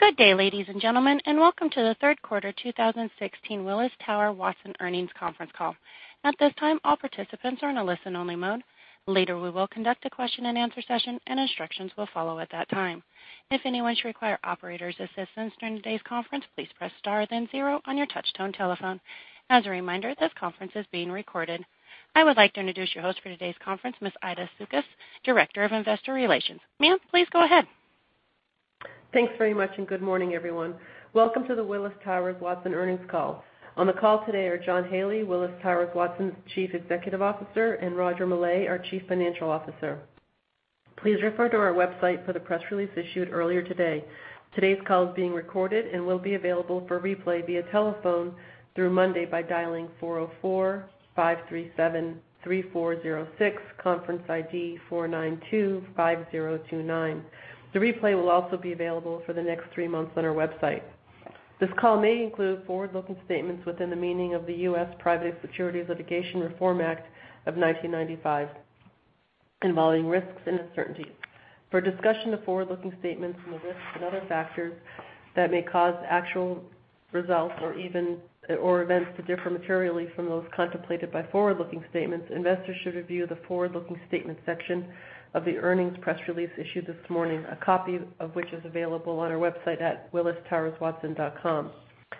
Good day, ladies and gentlemen, and welcome to the third quarter 2016 Willis Towers Watson earnings conference call. At this time, all participants are in a listen-only mode. Later, we will conduct a question and answer session, and instructions will follow at that time. If anyone should require operator's assistance during today's conference, please press star then zero on your touch-tone telephone. As a reminder, this conference is being recorded. I would like to introduce your host for today's conference, Ms. Aimee DeCamillo, Director of Investor Relations. Ma'am, please go ahead. Thanks very much. Good morning, everyone. Welcome to the Willis Towers Watson earnings call. On the call today are John Haley, Willis Towers Watson's Chief Executive Officer, and Roger Millay, our Chief Financial Officer. Please refer to our website for the press release issued earlier today. Today's call is being recorded and will be available for replay via telephone through Monday by dialing 404-537-3406, conference ID 4925029. The replay will also be available for the next three months on our website. This call may include forward-looking statements within the meaning of the Private Securities Litigation Reform Act of 1995, involving risks and uncertainties. For a discussion of forward-looking statements and the risks and other factors that may cause actual results or events to differ materially from those contemplated by forward-looking statements, investors should review the forward-looking statement section of the earnings press release issued this morning, a copy of which is available on our website at willistowerswatson.com,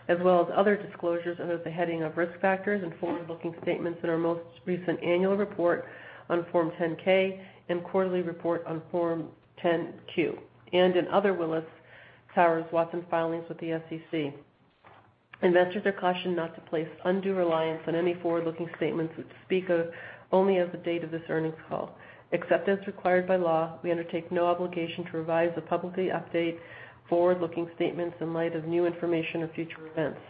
as well as other disclosures under the heading of Risk Factors and Forward-Looking Statements in our most recent annual report on Form 10-K and quarterly report on Form 10-Q, and in other Willis Towers Watson filings with the SEC. Investors are cautioned not to place undue reliance on any forward-looking statements, which speak only as of the date of this earnings call. Except as required by law, we undertake no obligation to revise or publicly update forward-looking statements in light of new information or future events.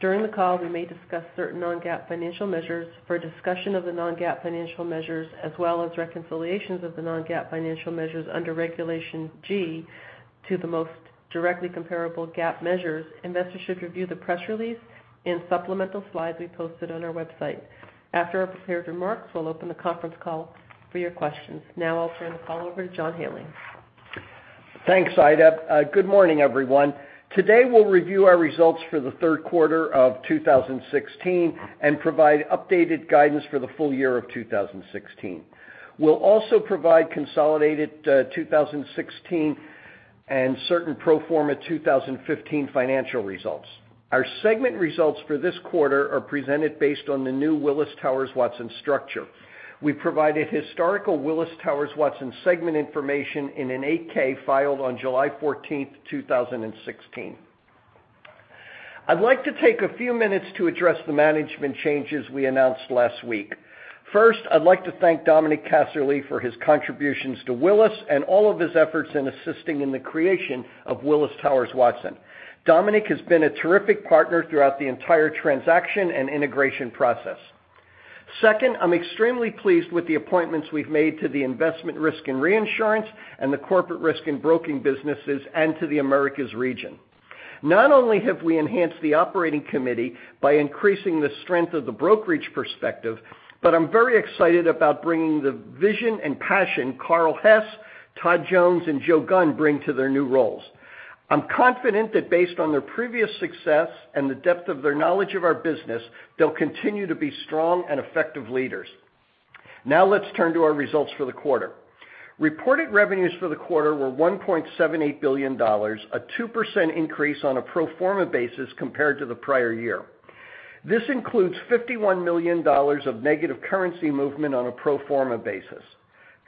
During the call, we may discuss certain non-GAAP financial measures. For a discussion of the non-GAAP financial measures, as well as reconciliations of the non-GAAP financial measures under Regulation G to the most directly comparable GAAP measures, investors should review the press release and supplemental slides we posted on our website. After our prepared remarks, we'll open the conference call for your questions. Now, I'll turn the call over to John Haley. Thanks, Aimee. Good morning, everyone. Today, we'll review our results for the third quarter of 2016 and provide updated guidance for the full year of 2016. We'll also provide consolidated 2016 and certain pro forma 2015 financial results. Our segment results for this quarter are presented based on the new Willis Towers Watson structure. We provided historical Willis Towers Watson segment information in an 8-K filed on July 14th, 2016. I'd like to take a few minutes to address the management changes we announced last week. First, I'd like to thank Dominic Casserley for his contributions to Willis and all of his efforts in assisting in the creation of Willis Towers Watson. Dominic has been a terrific partner throughout the entire transaction and integration process. Second, I'm extremely pleased with the appointments we've made to the Investment, Risk and Reinsurance and the Corporate Risk and Broking businesses and to the Americas region. Not only have we enhanced the operating committee by increasing the strength of the brokerage perspective, but I'm very excited about bringing the vision and passion Carl Hess, Todd Jones, and Joe Gunn bring to their new roles. I'm confident that based on their previous success and the depth of their knowledge of our business, they'll continue to be strong and effective leaders. Now, let's turn to our results for the quarter. Reported revenues for the quarter were $1.78 billion, a 2% increase on a pro forma basis compared to the prior year. This includes $51 million of negative currency movement on a pro forma basis.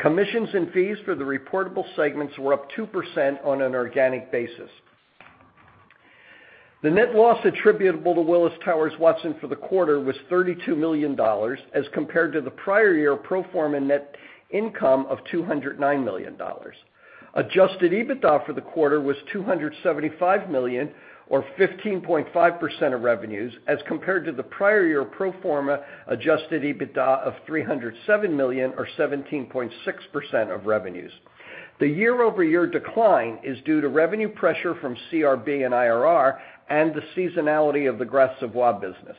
Commissions and fees for the reportable segments were up 2% on an organic basis. The net loss attributable to Willis Towers Watson for the quarter was $32 million as compared to the prior year pro forma net income of $209 million. Adjusted EBITDA for the quarter was $275 million or 15.5% of revenues as compared to the prior year pro forma adjusted EBITDA of $307 million or 17.6% of revenues. The year-over-year decline is due to revenue pressure from CRB and IRR and the seasonality of the Gras Savoye business.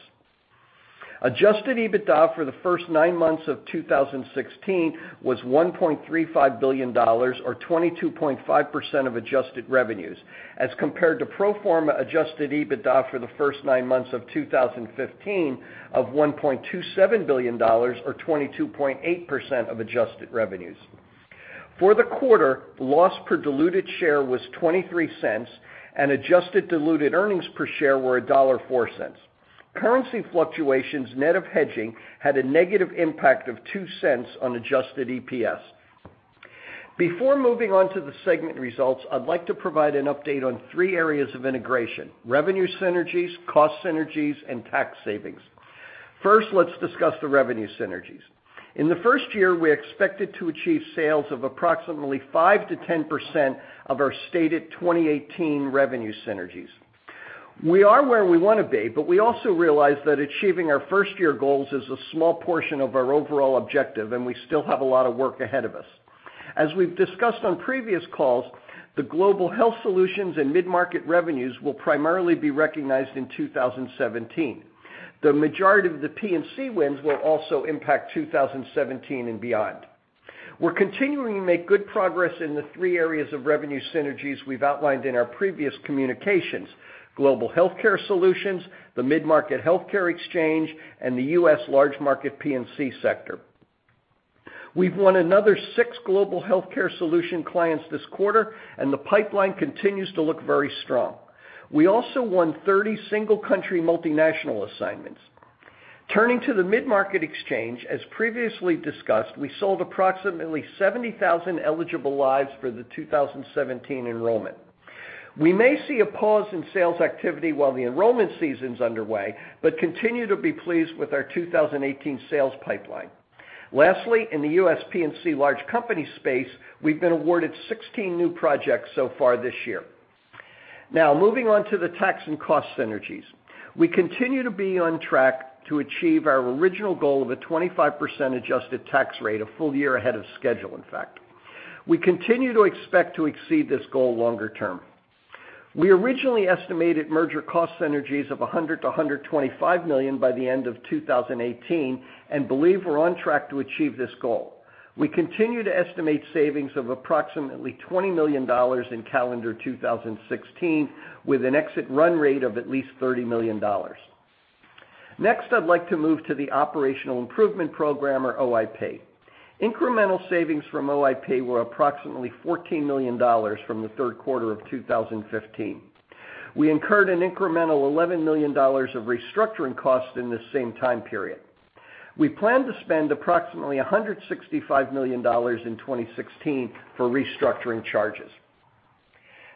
Adjusted EBITDA for the first nine months of 2016 was $1.35 billion or 22.5% of adjusted revenues as compared to pro forma adjusted EBITDA for the first nine months of 2015 of $1.27 billion or 22.8% of adjusted revenues. For the quarter, loss per diluted share was $0.23, and adjusted diluted earnings per share were $1.04. Currency fluctuations net of hedging had a negative impact of $0.02 on adjusted EPS. Before moving on to the segment results, I'd like to provide an update on three areas of integration, revenue synergies, cost synergies, and tax savings. First, let's discuss the revenue synergies. In the first year, we expected to achieve sales of approximately 5%-10% of our stated 2018 revenue synergies. We are where we want to be, but we also realize that achieving our first-year goals is a small portion of our overall objective, and we still have a lot of work ahead of us. As we've discussed on previous calls, the global health solutions and mid-market revenues will primarily be recognized in 2017. The majority of the P&C wins will also impact 2017 and beyond. We're continuing to make good progress in the three areas of revenue synergies we've outlined in our previous communications, global healthcare solutions, the mid-market healthcare exchange, and the U.S. large market P&C sector. We've won another six global healthcare solution clients this quarter, the pipeline continues to look very strong. We also won 30 single country multinational assignments. Turning to the mid-market exchange, as previously discussed, we sold approximately 70,000 eligible lives for the 2017 enrollment. We may see a pause in sales activity while the enrollment season's underway, but continue to be pleased with our 2018 sales pipeline. Lastly, in the U.S. P&C large company space, we've been awarded 16 new projects so far this year. Moving on to the tax and cost synergies. We continue to be on track to achieve our original goal of a 25% adjusted tax rate, a full year ahead of schedule, in fact. We continue to expect to exceed this goal longer term. We originally estimated merger cost synergies of $100 million-$125 million by the end of 2018, believe we're on track to achieve this goal. We continue to estimate savings of approximately $20 million in calendar 2016, with an exit run rate of at least $30 million. I'd like to move to the Operational Improvement Program or OIP. Incremental savings from OIP were approximately $14 million from the third quarter of 2015. We incurred an incremental $11 million of restructuring costs in the same time period. We plan to spend approximately $165 million in 2016 for restructuring charges.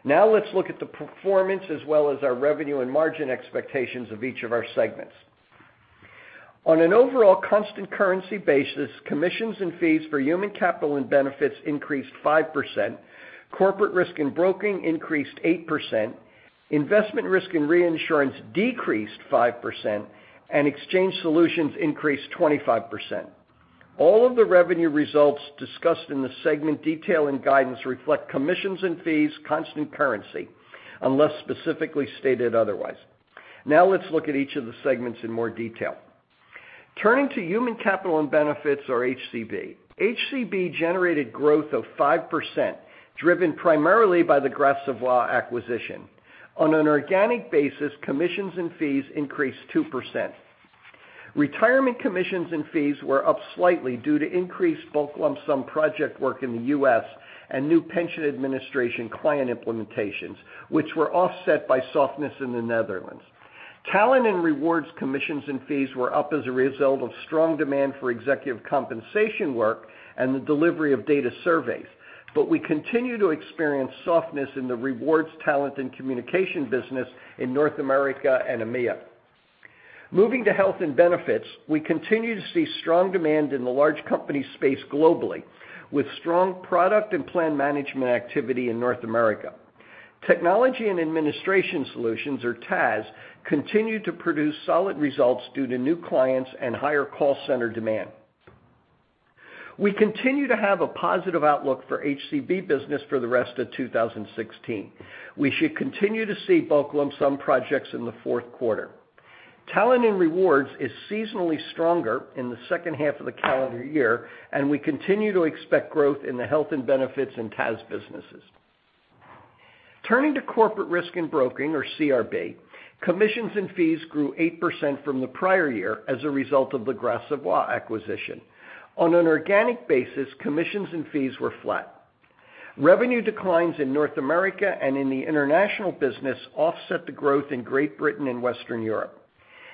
Let's look at the performance as well as our revenue and margin expectations of each of our segments. On an overall constant currency basis, commissions and fees for Human Capital and Benefits increased 5%, Corporate Risk and Broking increased 8%, Investment, Risk and Reinsurance decreased 5%, Exchange Solutions increased 25%. All of the revenue results discussed in the segment detail and guidance reflect commissions and fees constant currency, unless specifically stated otherwise. Let's look at each of the segments in more detail. Turning to Human Capital and Benefits or HCB. HCB generated growth of 5%, driven primarily by the Gras Savoye acquisition. On an organic basis, commissions and fees increased 2%. Retirement commissions and fees were up slightly due to increased bulk lump sum project work in the U.S. and new pension administration client implementations, which were offset by softness in the Netherlands. Talent and Rewards commissions and fees were up as a result of strong demand for executive compensation work and the delivery of data surveys. We continue to experience softness in the rewards talent and communication business in North America and EMEA. Moving to Health and Benefits, we continue to see strong demand in the large company space globally, with strong product and plan management activity in North America. Technology and Administration Solutions, or TAS, continue to produce solid results due to new clients and higher call center demand. We continue to have a positive outlook for HCB business for the rest of 2016. We should continue to see bulk lump sum projects in the fourth quarter. Talent and Rewards is seasonally stronger in the second half of the calendar year, we continue to expect growth in the Health and Benefits in TAS businesses. Turning to Corporate Risk and Broking, or CRB, commissions and fees grew 8% from the prior year as a result of the Gras Savoye acquisition. On an organic basis, commissions and fees were flat. Revenue declines in North America and in the international business offset the growth in Great Britain and Western Europe.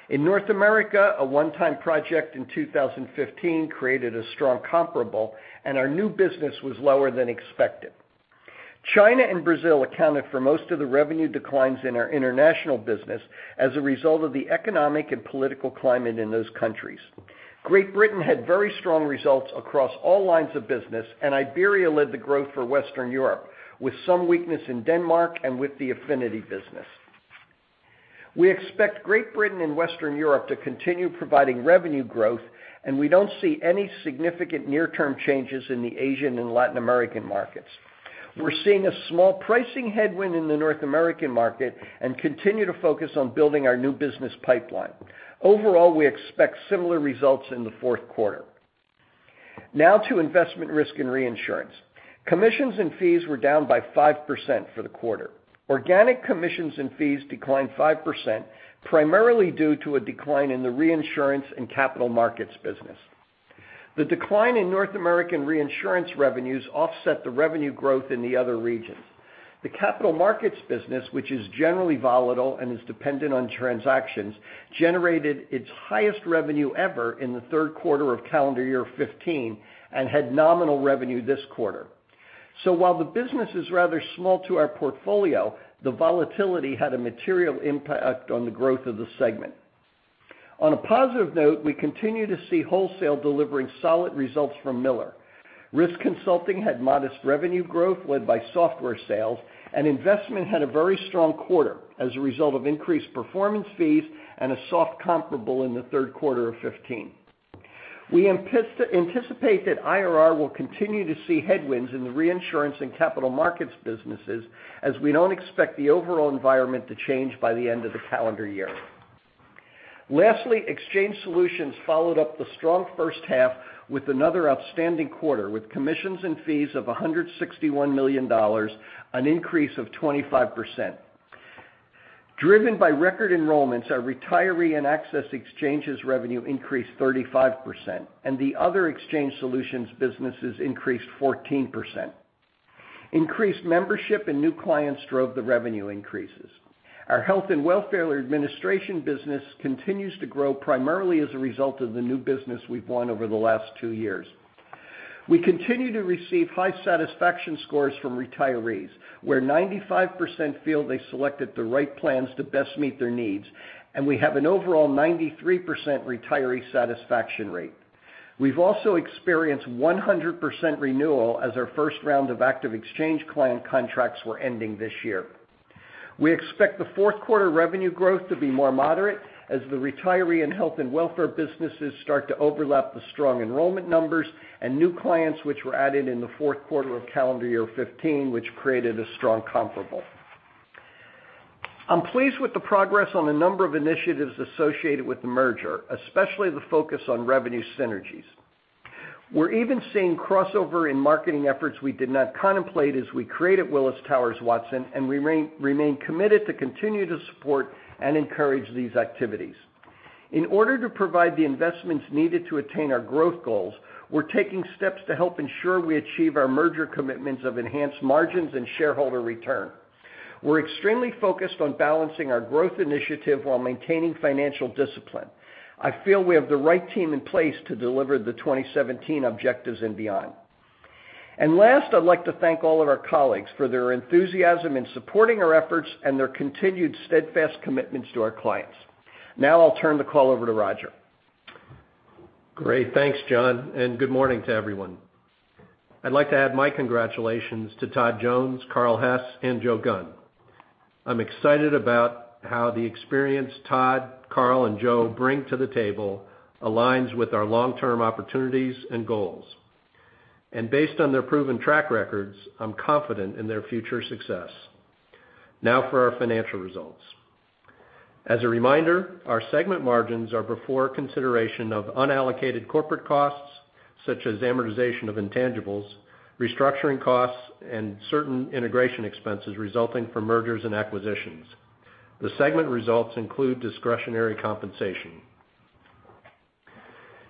In North America, a one-time project in 2015 created a strong comparable, and our new business was lower than expected. China and Brazil accounted for most of the revenue declines in our international business as a result of the economic and political climate in those countries. Great Britain had very strong results across all lines of business, and Iberia led the growth for Western Europe, with some weakness in Denmark and with the affinity business. We expect Great Britain and Western Europe to continue providing revenue growth, and we don't see any significant near-term changes in the Asian and Latin American markets. We're seeing a small pricing headwind in the North American market and continue to focus on building our new business pipeline. Overall, we expect similar results in the fourth quarter. Now to Investment, Risk and Reinsurance. Commissions and fees were down by 5% for the quarter. Organic commissions and fees declined 5%, primarily due to a decline in the reinsurance and capital markets business. The decline in North American reinsurance revenues offset the revenue growth in the other regions. The capital markets business, which is generally volatile and is dependent on transactions, generated its highest revenue ever in the third quarter of calendar year 2015 and had nominal revenue this quarter. While the business is rather small to our portfolio, the volatility had a material impact on the growth of the segment. On a positive note, we continue to see wholesale delivering solid results from Miller. Risk consulting had modest revenue growth led by software sales, and investment had a very strong quarter as a result of increased performance fees and a soft comparable in the third quarter of 2015. We anticipate that IRR will continue to see headwinds in the reinsurance and capital markets businesses, as we don't expect the overall environment to change by the end of the calendar year. Lastly, Exchange Solutions followed up the strong first half with another outstanding quarter, with commissions and fees of $161 million, an increase of 25%. Driven by record enrollments, our retiree and access exchanges revenue increased 35%, and the other Exchange Solutions businesses increased 14%. Increased membership and new clients drove the revenue increases. Our health and welfare administration business continues to grow primarily as a result of the new business we've won over the last two years. We continue to receive high satisfaction scores from retirees, where 95% feel they selected the right plans to best meet their needs, and we have an overall 93% retiree satisfaction rate. We've also experienced 100% renewal as our first round of active exchange client contracts were ending this year. We expect the fourth quarter revenue growth to be more moderate as the retiree and health and welfare businesses start to overlap the strong enrollment numbers and new clients, which were added in the fourth quarter of calendar year 2015, which created a strong comparable. I'm pleased with the progress on a number of initiatives associated with the merger, especially the focus on revenue synergies. We're even seeing crossover in marketing efforts we did not contemplate as we created Willis Towers Watson, and we remain committed to continue to support and encourage these activities. In order to provide the investments needed to attain our growth goals, we're taking steps to help ensure we achieve our merger commitments of enhanced margins and shareholder return. We're extremely focused on balancing our growth initiative while maintaining financial discipline. I feel we have the right team in place to deliver the 2017 objectives and beyond. Last, I'd like to thank all of our colleagues for their enthusiasm in supporting our efforts and their continued steadfast commitments to our clients. Now I'll turn the call over to Roger. Great. Thanks, John, and good morning to everyone. I'd like to add my congratulations to Todd Jones, Carl Hess, and Joe Gunn. I'm excited about how the experience Todd, Carl, and Joe bring to the table aligns with our long-term opportunities and goals. Based on their proven track records, I'm confident in their future success. Now for our financial results. As a reminder, our segment margins are before consideration of unallocated corporate costs, such as amortization of intangibles, restructuring costs, and certain integration expenses resulting from mergers and acquisitions. The segment results include discretionary compensation.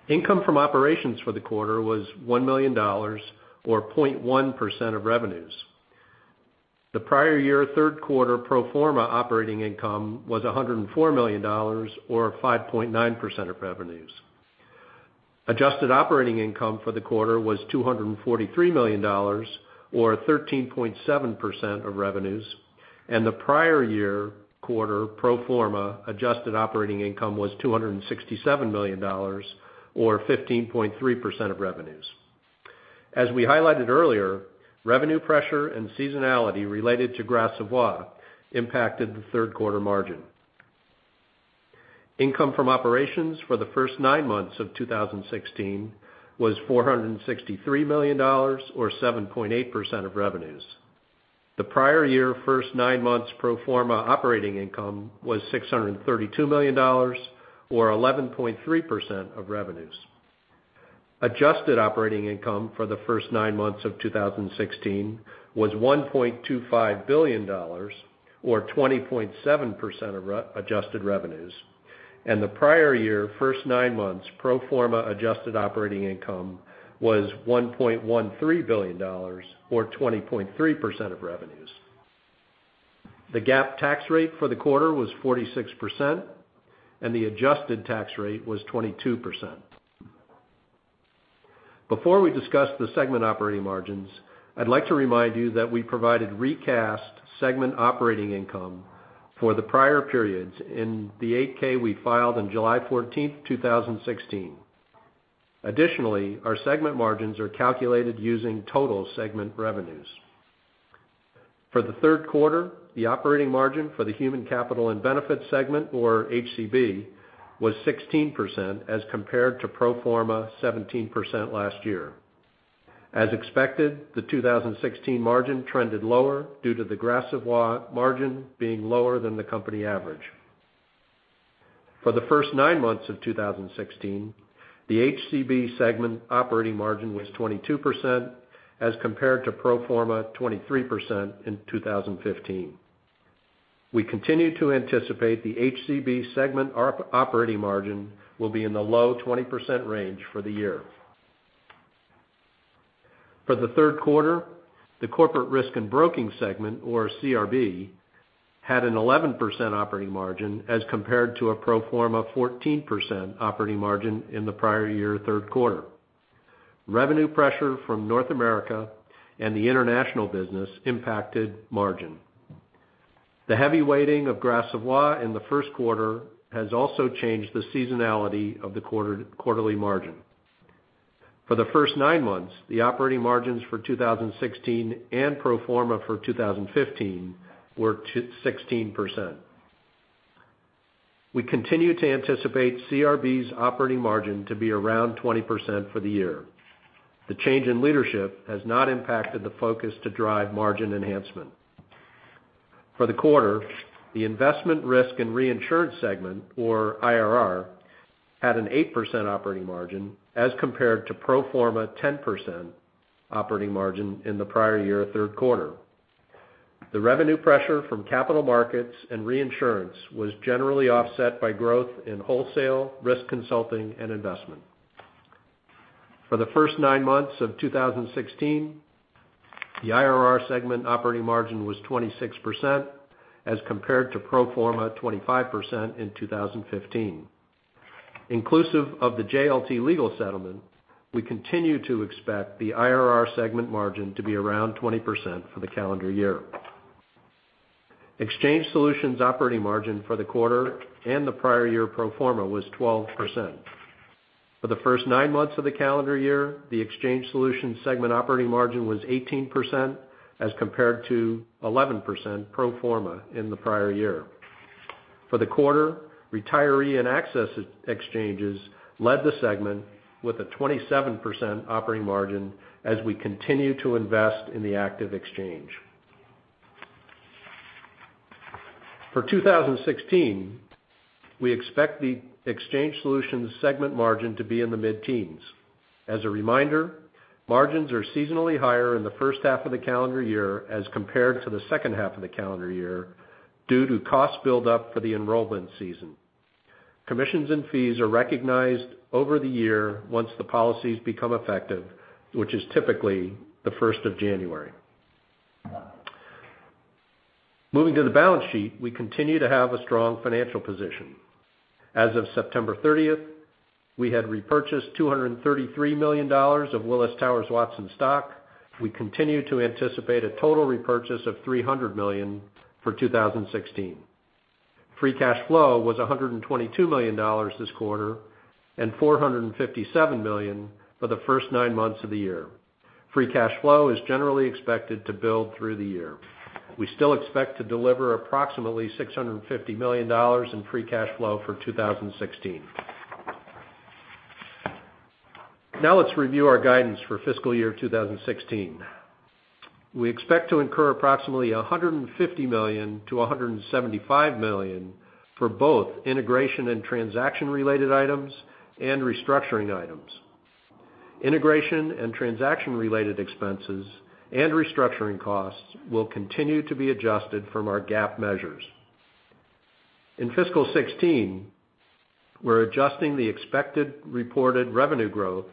Income from operations for the quarter was $1 million, or 0.1% of revenues. The prior year, third quarter pro forma operating income was $104 million, or 5.9% of revenues. Adjusted operating income for the quarter was $243 million, or 13.7% of revenues, and the prior year quarter pro forma adjusted operating income was $267 million, or 15.3% of revenues. As we highlighted earlier, revenue pressure and seasonality related to Gras Savoye impacted the third quarter margin. Income from operations for the first nine months of 2016 was $463 million, or 7.8% of revenues. The prior year first nine months pro forma operating income was $632 million, or 11.3% of revenues. Adjusted operating income for the first nine months of 2016 was $1.25 billion, or 20.7% of adjusted revenues, and the prior year first nine months pro forma adjusted operating income was $1.13 billion, or 20.3% of revenues. The GAAP tax rate for the quarter was 46%, and the adjusted tax rate was 22%. Before we discuss the segment operating margins, I'd like to remind you that we provided recast segment operating income for the prior periods in the 8-K we filed on July 14th, 2016. Additionally, our segment margins are calculated using total segment revenues. For the third quarter, the operating margin for the Human Capital and Benefits segment, or HCB, was 16% as compared to pro forma 17% last year. As expected, the 2016 margin trended lower due to the Gras Savoye margin being lower than the company average. For the first nine months of 2016, the HCB Segment operating margin was 22%, as compared to pro forma 23% in 2015. We continue to anticipate the HCB Segment operating margin will be in the low 20% range for the year. For the third quarter, the Corporate Risk and Broking segment, or CRB, had an 11% operating margin as compared to a pro forma 14% operating margin in the prior year third quarter. Revenue pressure from North America and the international business impacted margin. The heavy weighting of Gras Savoye in the first quarter has also changed the seasonality of the quarterly margin. For the first nine months, the operating margins for 2016 and pro forma for 2015 were 16%. We continue to anticipate CRB's operating margin to be around 20% for the year. The change in leadership has not impacted the focus to drive margin enhancement. For the quarter, the Investment, Risk and Reinsurance segment, or IRR, had an 8% operating margin as compared to pro forma 10% operating margin in the prior year third quarter. The revenue pressure from capital markets and reinsurance was generally offset by growth in wholesale risk consulting and investment. For the first nine months of 2016, the IRR segment operating margin was 26%, as compared to pro forma 25% in 2015. Inclusive of the JLT legal settlement, we continue to expect the IRR segment margin to be around 20% for the calendar year. Exchange Solutions operating margin for the quarter and the prior year pro forma was 12%. For the first nine months of the calendar year, the Exchange Solutions segment operating margin was 18%, as compared to 11% pro forma in the prior year. For the quarter, retiree and access exchanges led the segment with a 27% operating margin, as we continue to invest in the active exchange. For 2016, we expect the Exchange Solutions segment margin to be in the mid-teens. As a reminder, margins are seasonally higher in the first half of the calendar year as compared to the second half of the calendar year due to cost build-up for the enrollment season. Commissions and fees are recognized over the year once the policies become effective, which is typically the first of January. Moving to the balance sheet, we continue to have a strong financial position. As of September 30th, we had repurchased $233 million of Willis Towers Watson stock. We continue to anticipate a total repurchase of $300 million for 2016. Free cash flow was $122 million this quarter and $457 million for the first nine months of the year. Free cash flow is generally expected to build through the year. We still expect to deliver approximately $650 million in free cash flow for 2016. Now let's review our guidance for fiscal year 2016. We expect to incur approximately $150 million-$175 million for both integration and transaction-related items and restructuring items. Integration and transaction-related expenses and restructuring costs will continue to be adjusted from our GAAP measures. In fiscal 2016, we're adjusting the expected reported revenue growth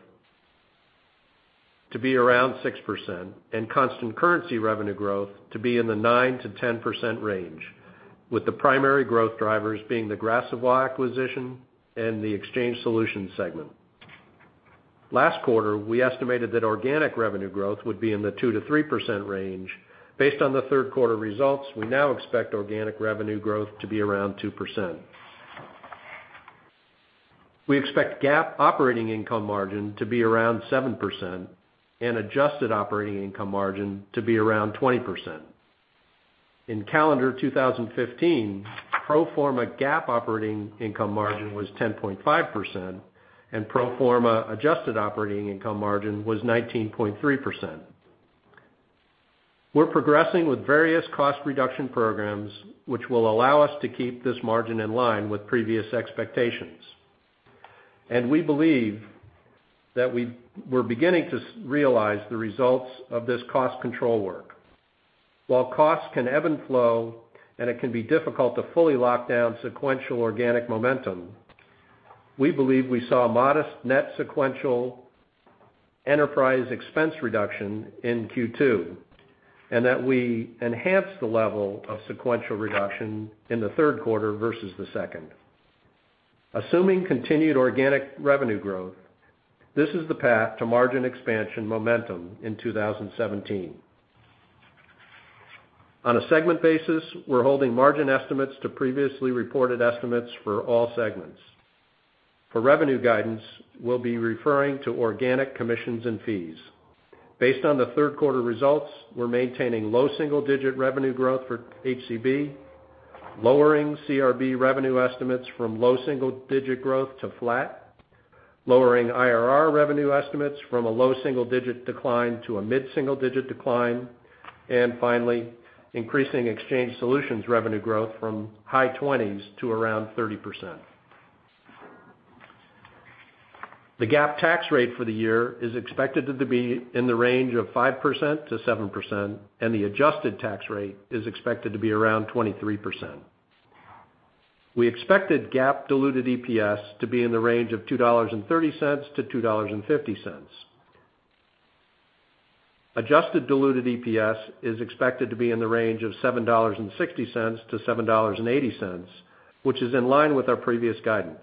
to be around 6% and constant currency revenue growth to be in the 9%-10% range, with the primary growth drivers being the Gras Savoye acquisition and the Exchange Solutions segment. Last quarter, we estimated that organic revenue growth would be in the 2%-3% range. Based on the third quarter results, we now expect organic revenue growth to be around 2%. We expect GAAP operating income margin to be around 7% and adjusted operating income margin to be around 20%. In calendar 2015, pro forma GAAP operating income margin was 10.5% and pro forma adjusted operating income margin was 19.3%. We're progressing with various cost reduction programs, which will allow us to keep this margin in line with previous expectations. We believe that we're beginning to realize the results of this cost control work. While costs can ebb and flow, and it can be difficult to fully lock down sequential organic momentum, we believe we saw a modest net sequential enterprise expense reduction in Q2, and that we enhanced the level of sequential reduction in the third quarter versus the second. Assuming continued organic revenue growth, this is the path to margin expansion momentum in 2017. On a segment basis, we're holding margin estimates to previously reported estimates for all segments. For revenue guidance, we'll be referring to organic commissions and fees. Based on the third quarter results, we're maintaining low single-digit revenue growth for HCB, lowering CRB revenue estimates from low single-digit growth to flat, lowering IRR revenue estimates from a low double-digit decline to a mid-single digit decline, and finally, increasing Exchange Solutions revenue growth from high 20% to around 30%. The GAAP tax rate for the year is expected to be in the range of 5%-7%, and the adjusted tax rate is expected to be around 23%. We expected GAAP diluted EPS to be in the range of $2.30-$2.50. Adjusted diluted EPS is expected to be in the range of $7.60-$7.80, which is in line with our previous guidance.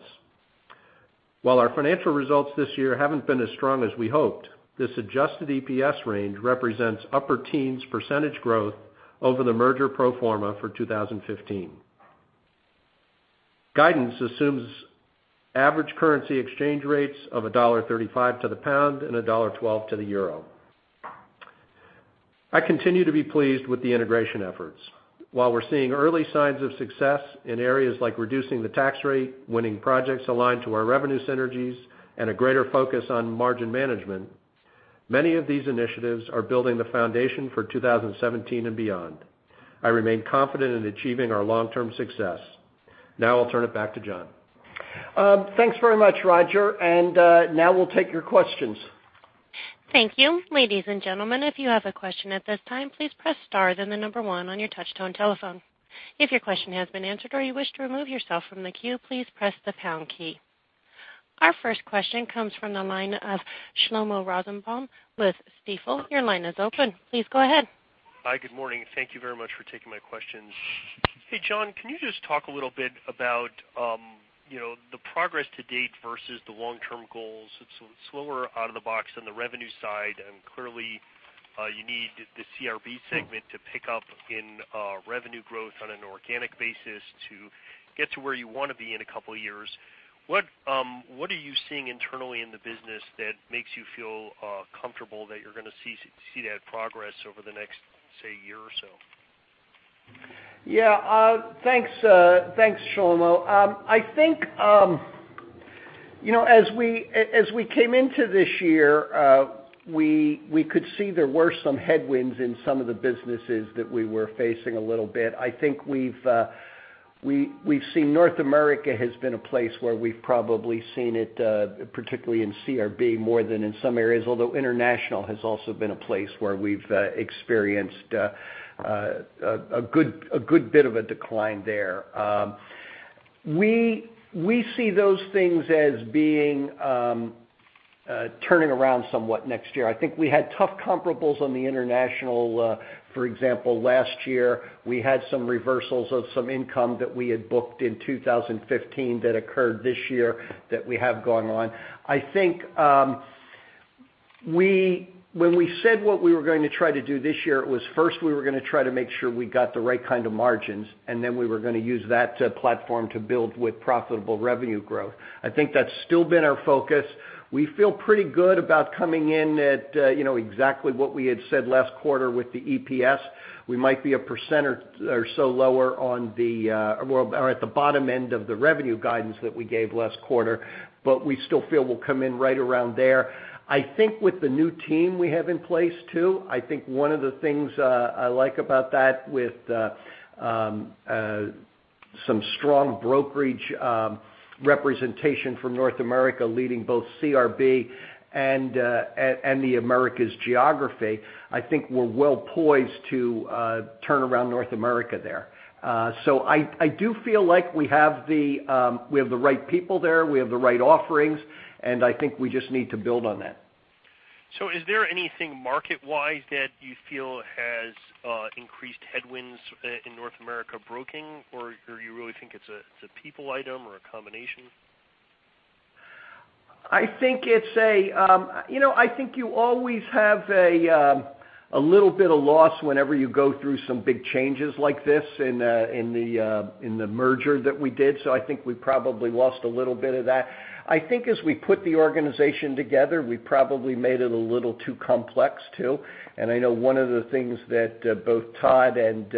While our financial results this year haven't been as strong as we hoped, this adjusted EPS range represents upper teens percentage growth over the merger pro forma for 2015. Guidance assumes average currency exchange rates of $1.35 to the pound and $1.12 to the euro. I continue to be pleased with the integration efforts. While we're seeing early signs of success in areas like reducing the tax rate, winning projects aligned to our revenue synergies, and a greater focus on margin management. Many of these initiatives are building the foundation for 2017 and beyond. I remain confident in achieving our long-term success. Now I'll turn it back to John. Thanks very much, Roger. Now we'll take your questions. Thank you. Ladies and gentlemen, if you have a question at this time, please press star, then one on your touchtone telephone. If your question has been answered or you wish to remove yourself from the queue, please press the pound key. Our first question comes from the line of Shlomo Rosenbaum with Stifel. Your line is open. Please go ahead. Hi, good morning. Thank you very much for taking my questions. Hey, John, can you just talk a little bit about the progress to date versus the long-term goals? It's slower out of the box on the revenue side, clearly you need the CRB segment to pick up in revenue growth on an organic basis to get to where you want to be in a couple of years. What are you seeing internally in the business that makes you feel comfortable that you're going to see that progress over the next, say, year or so? Thanks, Shlomo. I think, as we came into this year, we could see there were some headwinds in some of the businesses that we were facing a little bit. I think we've seen North America has been a place where we've probably seen it, particularly in CRB, more than in some areas, although international has also been a place where we've experienced a good bit of a decline there. We see those things as turning around somewhat next year. I think we had tough comparables on the international. For example, last year, we had some reversals of some income that we had booked in 2015 that occurred this year that we have going on. I think when we said what we were going to try to do this year, it was first, we were going to try to make sure we got the right kind of margins, then we were going to use that platform to build with profitable revenue growth. I think that's still been our focus. We feel pretty good about coming in at exactly what we had said last quarter with the EPS. We might be a percent or so lower or at the bottom end of the revenue guidance that we gave last quarter. We still feel we'll come in right around there. I think with the new team we have in place, too, I think one of the things I like about that with some strong brokerage representation from North America leading both CRB and the Americas geography, I think we're well poised to turn around North America there. I do feel like we have the right people there, we have the right offerings, and I think we just need to build on that. Is there anything market-wise that you feel has increased headwinds in North America broking, or you really think it's a people item or a combination? I think you always have a little bit of loss whenever you go through some big changes like this in the merger that we did. I think we probably lost a little bit of that. I think as we put the organization together, we probably made it a little too complex, too. I know one of the things that both Todd and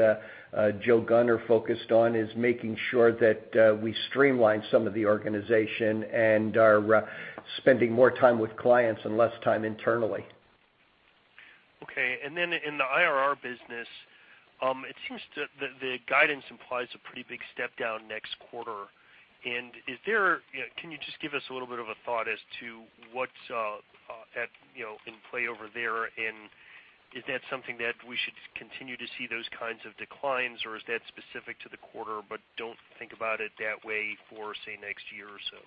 Joe Gunn focused on is making sure that we streamline some of the organization and are spending more time with clients and less time internally. Okay. In the IRR business, it seems the guidance implies a pretty big step down next quarter. Can you just give us a little bit of a thought as to what's in play over there, and is that something that we should continue to see those kinds of declines, or is that specific to the quarter, but don't think about it that way for, say, next year or so?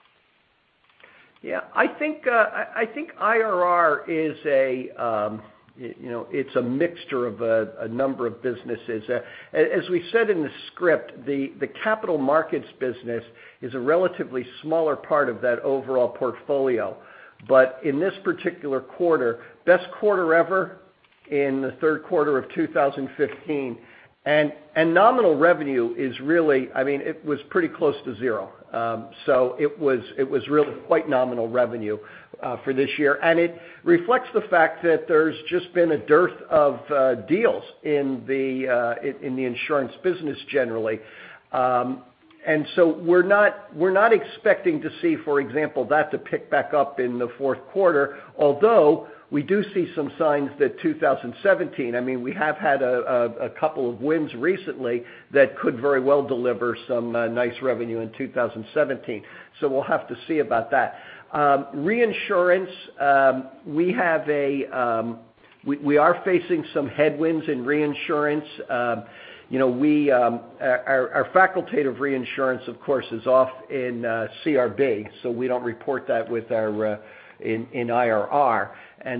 Yeah. I think IRR is a mixture of a number of businesses. As we said in the script, the capital markets business is a relatively smaller part of that overall portfolio. In this particular quarter, best quarter ever in the third quarter of 2015. Nominal revenue was really pretty close to zero. It was really quite nominal revenue for this year. It reflects the fact that there's just been a dearth of deals in the insurance business generally. We're not expecting to see, for example, that to pick back up in the fourth quarter, although we do see some signs that 2017, we have had a couple of wins recently that could very well deliver some nice revenue in 2017. We'll have to see about that. Reinsurance. We are facing some headwinds in reinsurance. Our facultative reinsurance, of course, is off in CRB, so we don't report that in IRR.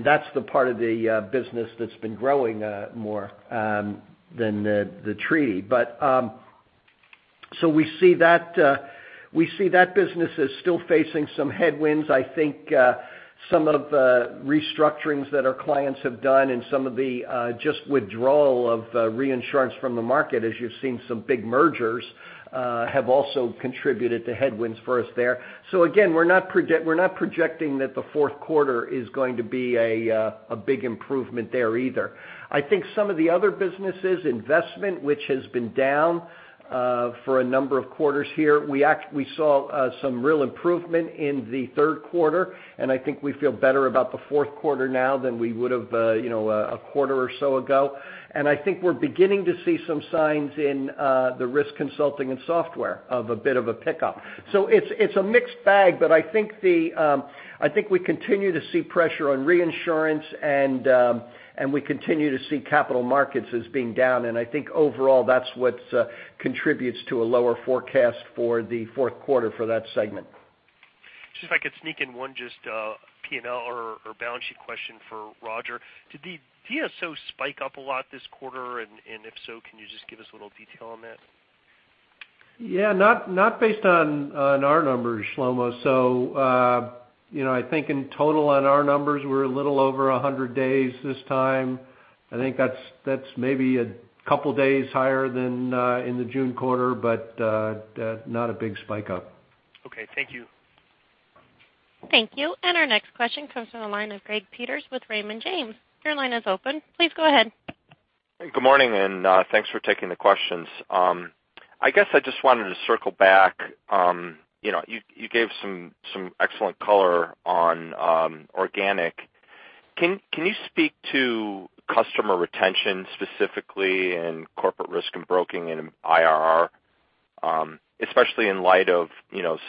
That's the part of the business that's been growing more than the treaty. We see that business as still facing some headwinds. I think some of the restructurings that our clients have done and some of the just withdrawal of reinsurance from the market as you've seen some big mergers have also contributed to headwinds for us there. Again, we're not projecting that the fourth quarter is going to be a big improvement there either. I think some of the other businesses, investment, which has been down for a number of quarters here, we saw some real improvement in the third quarter. I think we feel better about the fourth quarter now than we would've a quarter or so ago. I think we're beginning to see some signs in the risk consulting and software of a bit of a pickup. It's a mixed bag, but I think we continue to see pressure on reinsurance and we continue to see capital markets as being down. I think overall, that's what contributes to a lower forecast for the fourth quarter for that segment. Just if I could sneak in one just P&L or balance sheet question for Roger. Did DSO spike up a lot this quarter, and if so, can you just give us a little detail on that? Yeah. Not based on our numbers, Shlomo. I think in total on our numbers, we're a little over 100 days this time. I think that's maybe a couple days higher than in the June quarter, but not a big spike up. Okay, thank you. Thank you. Our next question comes from the line of Gregory Peters with Raymond James. Your line is open. Please go ahead. Good morning, thanks for taking the questions. I guess I just wanted to circle back. You gave some excellent color on organic. Can you speak to customer retention specifically in Corporate Risk and Broking and IRR? Especially in light of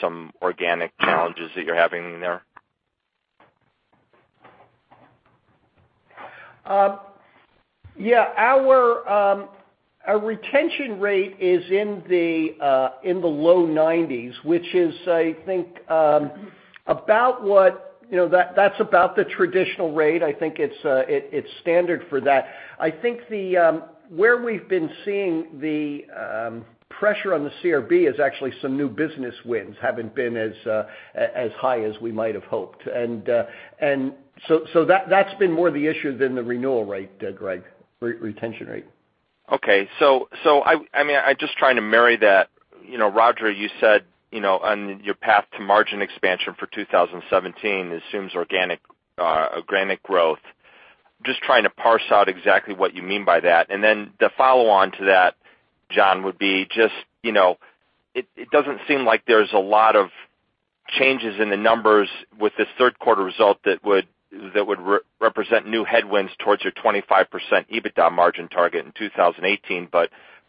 some organic challenges that you're having there. Yeah. Our retention rate is in the low 90s, which is, I think, that's about the traditional rate. I think it's standard for that. I think where we've been seeing the pressure on the CRB is actually some new business wins haven't been as high as we might have hoped. That's been more the issue than the renewal rate, Greg, retention rate. Okay. I'm just trying to marry that. Roger, you said on your path to margin expansion for 2017 assumes organic growth. I'm just trying to parse out exactly what you mean by that. Then the follow-on to that, John, would be just, it doesn't seem like there's a lot of changes in the numbers with this third quarter result that would represent new headwinds towards your 25% EBITDA margin target in 2018.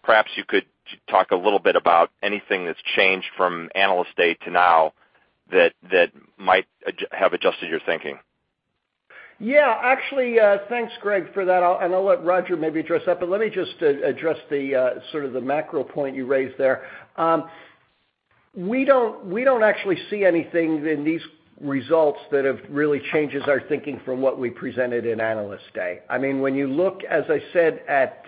Perhaps you could talk a little bit about anything that's changed from Analyst Day to now that might have adjusted your thinking. Yeah. Actually, thanks Greg, for that. I'll let Roger maybe address that, but let me just address the macro point you raised there. We don't actually see anything in these results that have really changes our thinking from what we presented in Analyst Day. When you look, as I said, at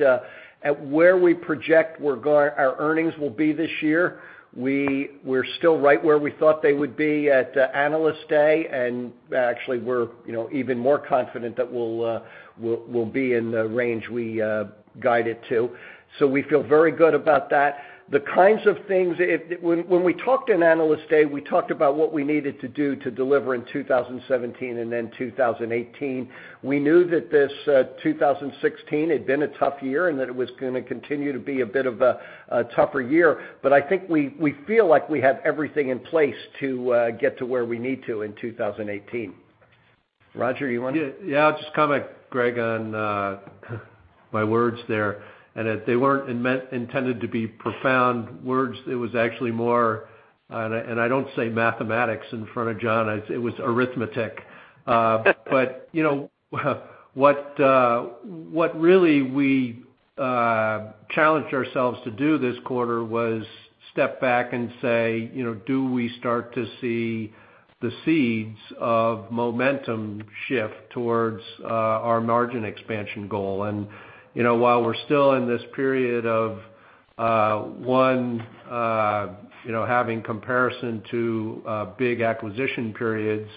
where we project our earnings will be this year, we're still right where we thought they would be at Analyst Day, and actually we're even more confident that we'll be in the range we guided to. We feel very good about that. When we talked in Analyst Day, we talked about what we needed to do to deliver in 2017 and then 2018. We knew that this 2016 had been a tough year, and that it was going to continue to be a bit of a tougher year. I think we feel like we have everything in place to get to where we need to in 2018. Roger, you want to- I'll just comment, Greg, on my words there, that they weren't intended to be profound words. It was actually more, I don't say mathematics in front of John, it was arithmetic. What really we challenged ourselves to do this quarter was step back and say, "Do we start to see the seeds of momentum shift towards our margin expansion goal?" While we're still in this period of one having comparison to big acquisition periods,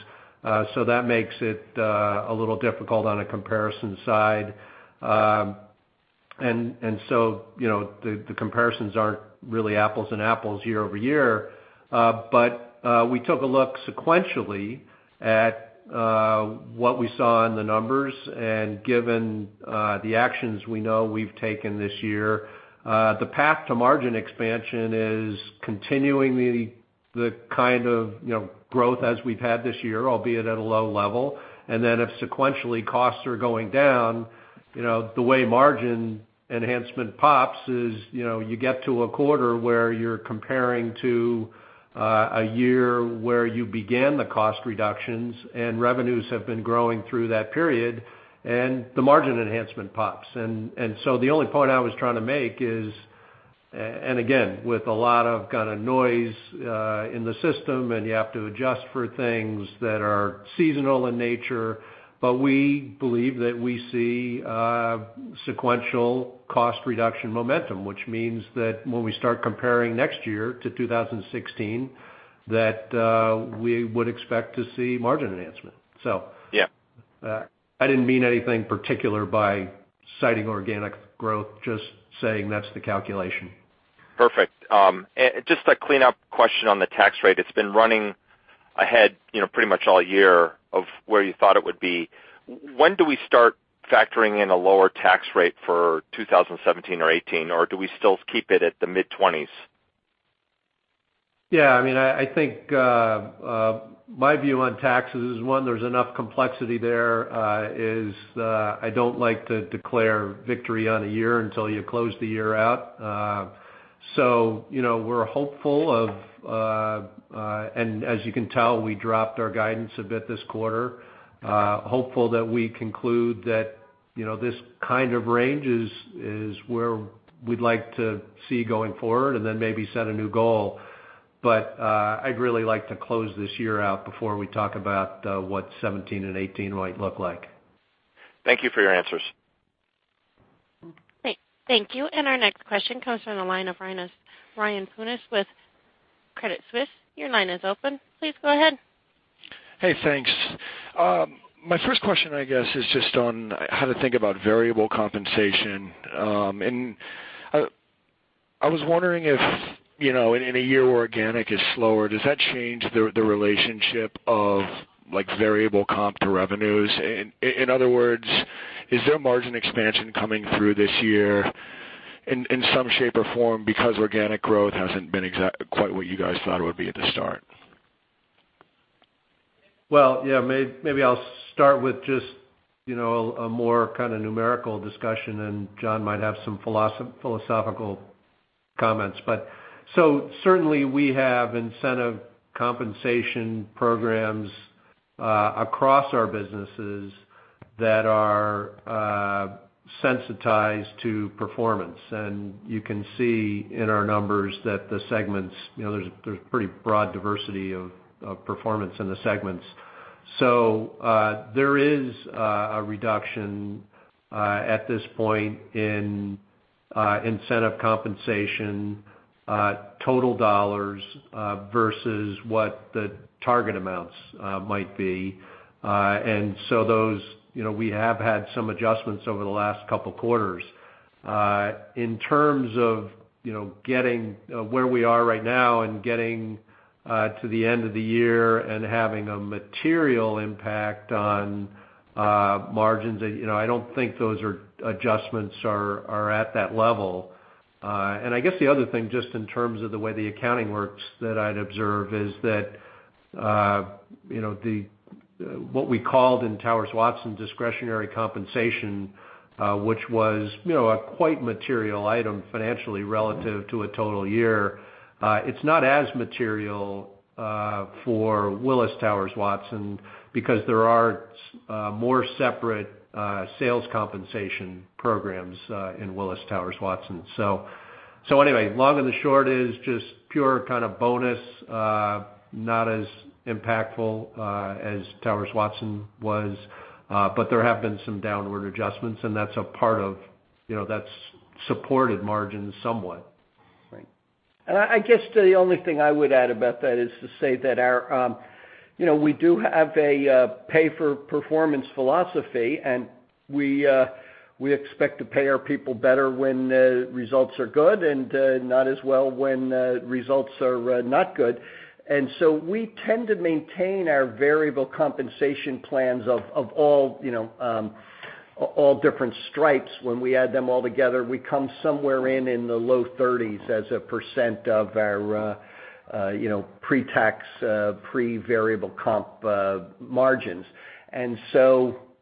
that makes it a little difficult on a comparison side. The comparisons aren't really apples and apples year-over-year. We took a look sequentially at what we saw in the numbers, and given the actions we know we've taken this year, the path to margin expansion is continuing the kind of growth as we've had this year, albeit at a low level. If sequentially costs are going down, the way margin enhancement pops is, you get to a quarter where you're comparing to a year where you began the cost reductions, revenues have been growing through that period, the margin enhancement pops. The only point I was trying to make is, again, with a lot of kind of noise in the system, you have to adjust for things that are seasonal in nature, we believe that we see sequential cost reduction momentum, which means that when we start comparing next year to 2016, that we would expect to see margin enhancement. Yeah. I didn't mean anything particular by citing organic growth, just saying that's the calculation. Perfect. Just a cleanup question on the tax rate. It's been running ahead pretty much all year of where you thought it would be. When do we start factoring in a lower tax rate for 2017 or 2018, or do we still keep it at the mid-20s? I think, my view on taxes is, one, there's enough complexity there, is I don't like to declare victory on a year until you close the year out. We're hopeful of. As you can tell, we dropped our guidance a bit this quarter. Hopeful that we conclude that this kind of range is where we'd like to see going forward and then maybe set a new goal. I'd really like to close this year out before we talk about what 2017 and 2018 might look like. Thank you for your answers. Great. Thank you. Our next question comes from the line of Ryan Tunis with Credit Suisse. Your line is open. Please go ahead. Hey, thanks. My first question, I guess, is just on how to think about variable compensation. I was wondering if in a year where organic is slower, does that change the relationship of variable comp to revenues? In other words, is there margin expansion coming through this year in some shape or form because organic growth hasn't been quite what you guys thought it would be at the start? Maybe I'll start with just a more numerical discussion, John might have some philosophical comments. Certainly we have incentive compensation programs across our businesses that are sensitized to performance. You can see in our numbers that the segments, there's pretty broad diversity of performance in the segments. There is a reduction at this point in incentive compensation, $ total, versus what the target amounts might be. Those, we have had some adjustments over the last couple of quarters. In terms of getting where we are right now and getting to the end of the year and having a material impact on margins, I don't think those adjustments are at that level. I guess the other thing, just in terms of the way the accounting works that I'd observe is that what we called in Towers Watson discretionary compensation, which was a quite material item financially relative to a total year, it's not as material for Willis Towers Watson because there are more separate sales compensation programs in Willis Towers Watson. Long and the short is just pure kind of bonus, not as impactful as Towers Watson was. There have been some downward adjustments, and that's supported margins somewhat. Right. I guess the only thing I would add about that is to say that we do have a pay-for-performance philosophy, we expect to pay our people better when results are good and not as well when results are not good. We tend to maintain our variable compensation plans of all different stripes. When we add them all together, we come somewhere in the low 30s as a % of our pre-tax, pre-variable comp margins.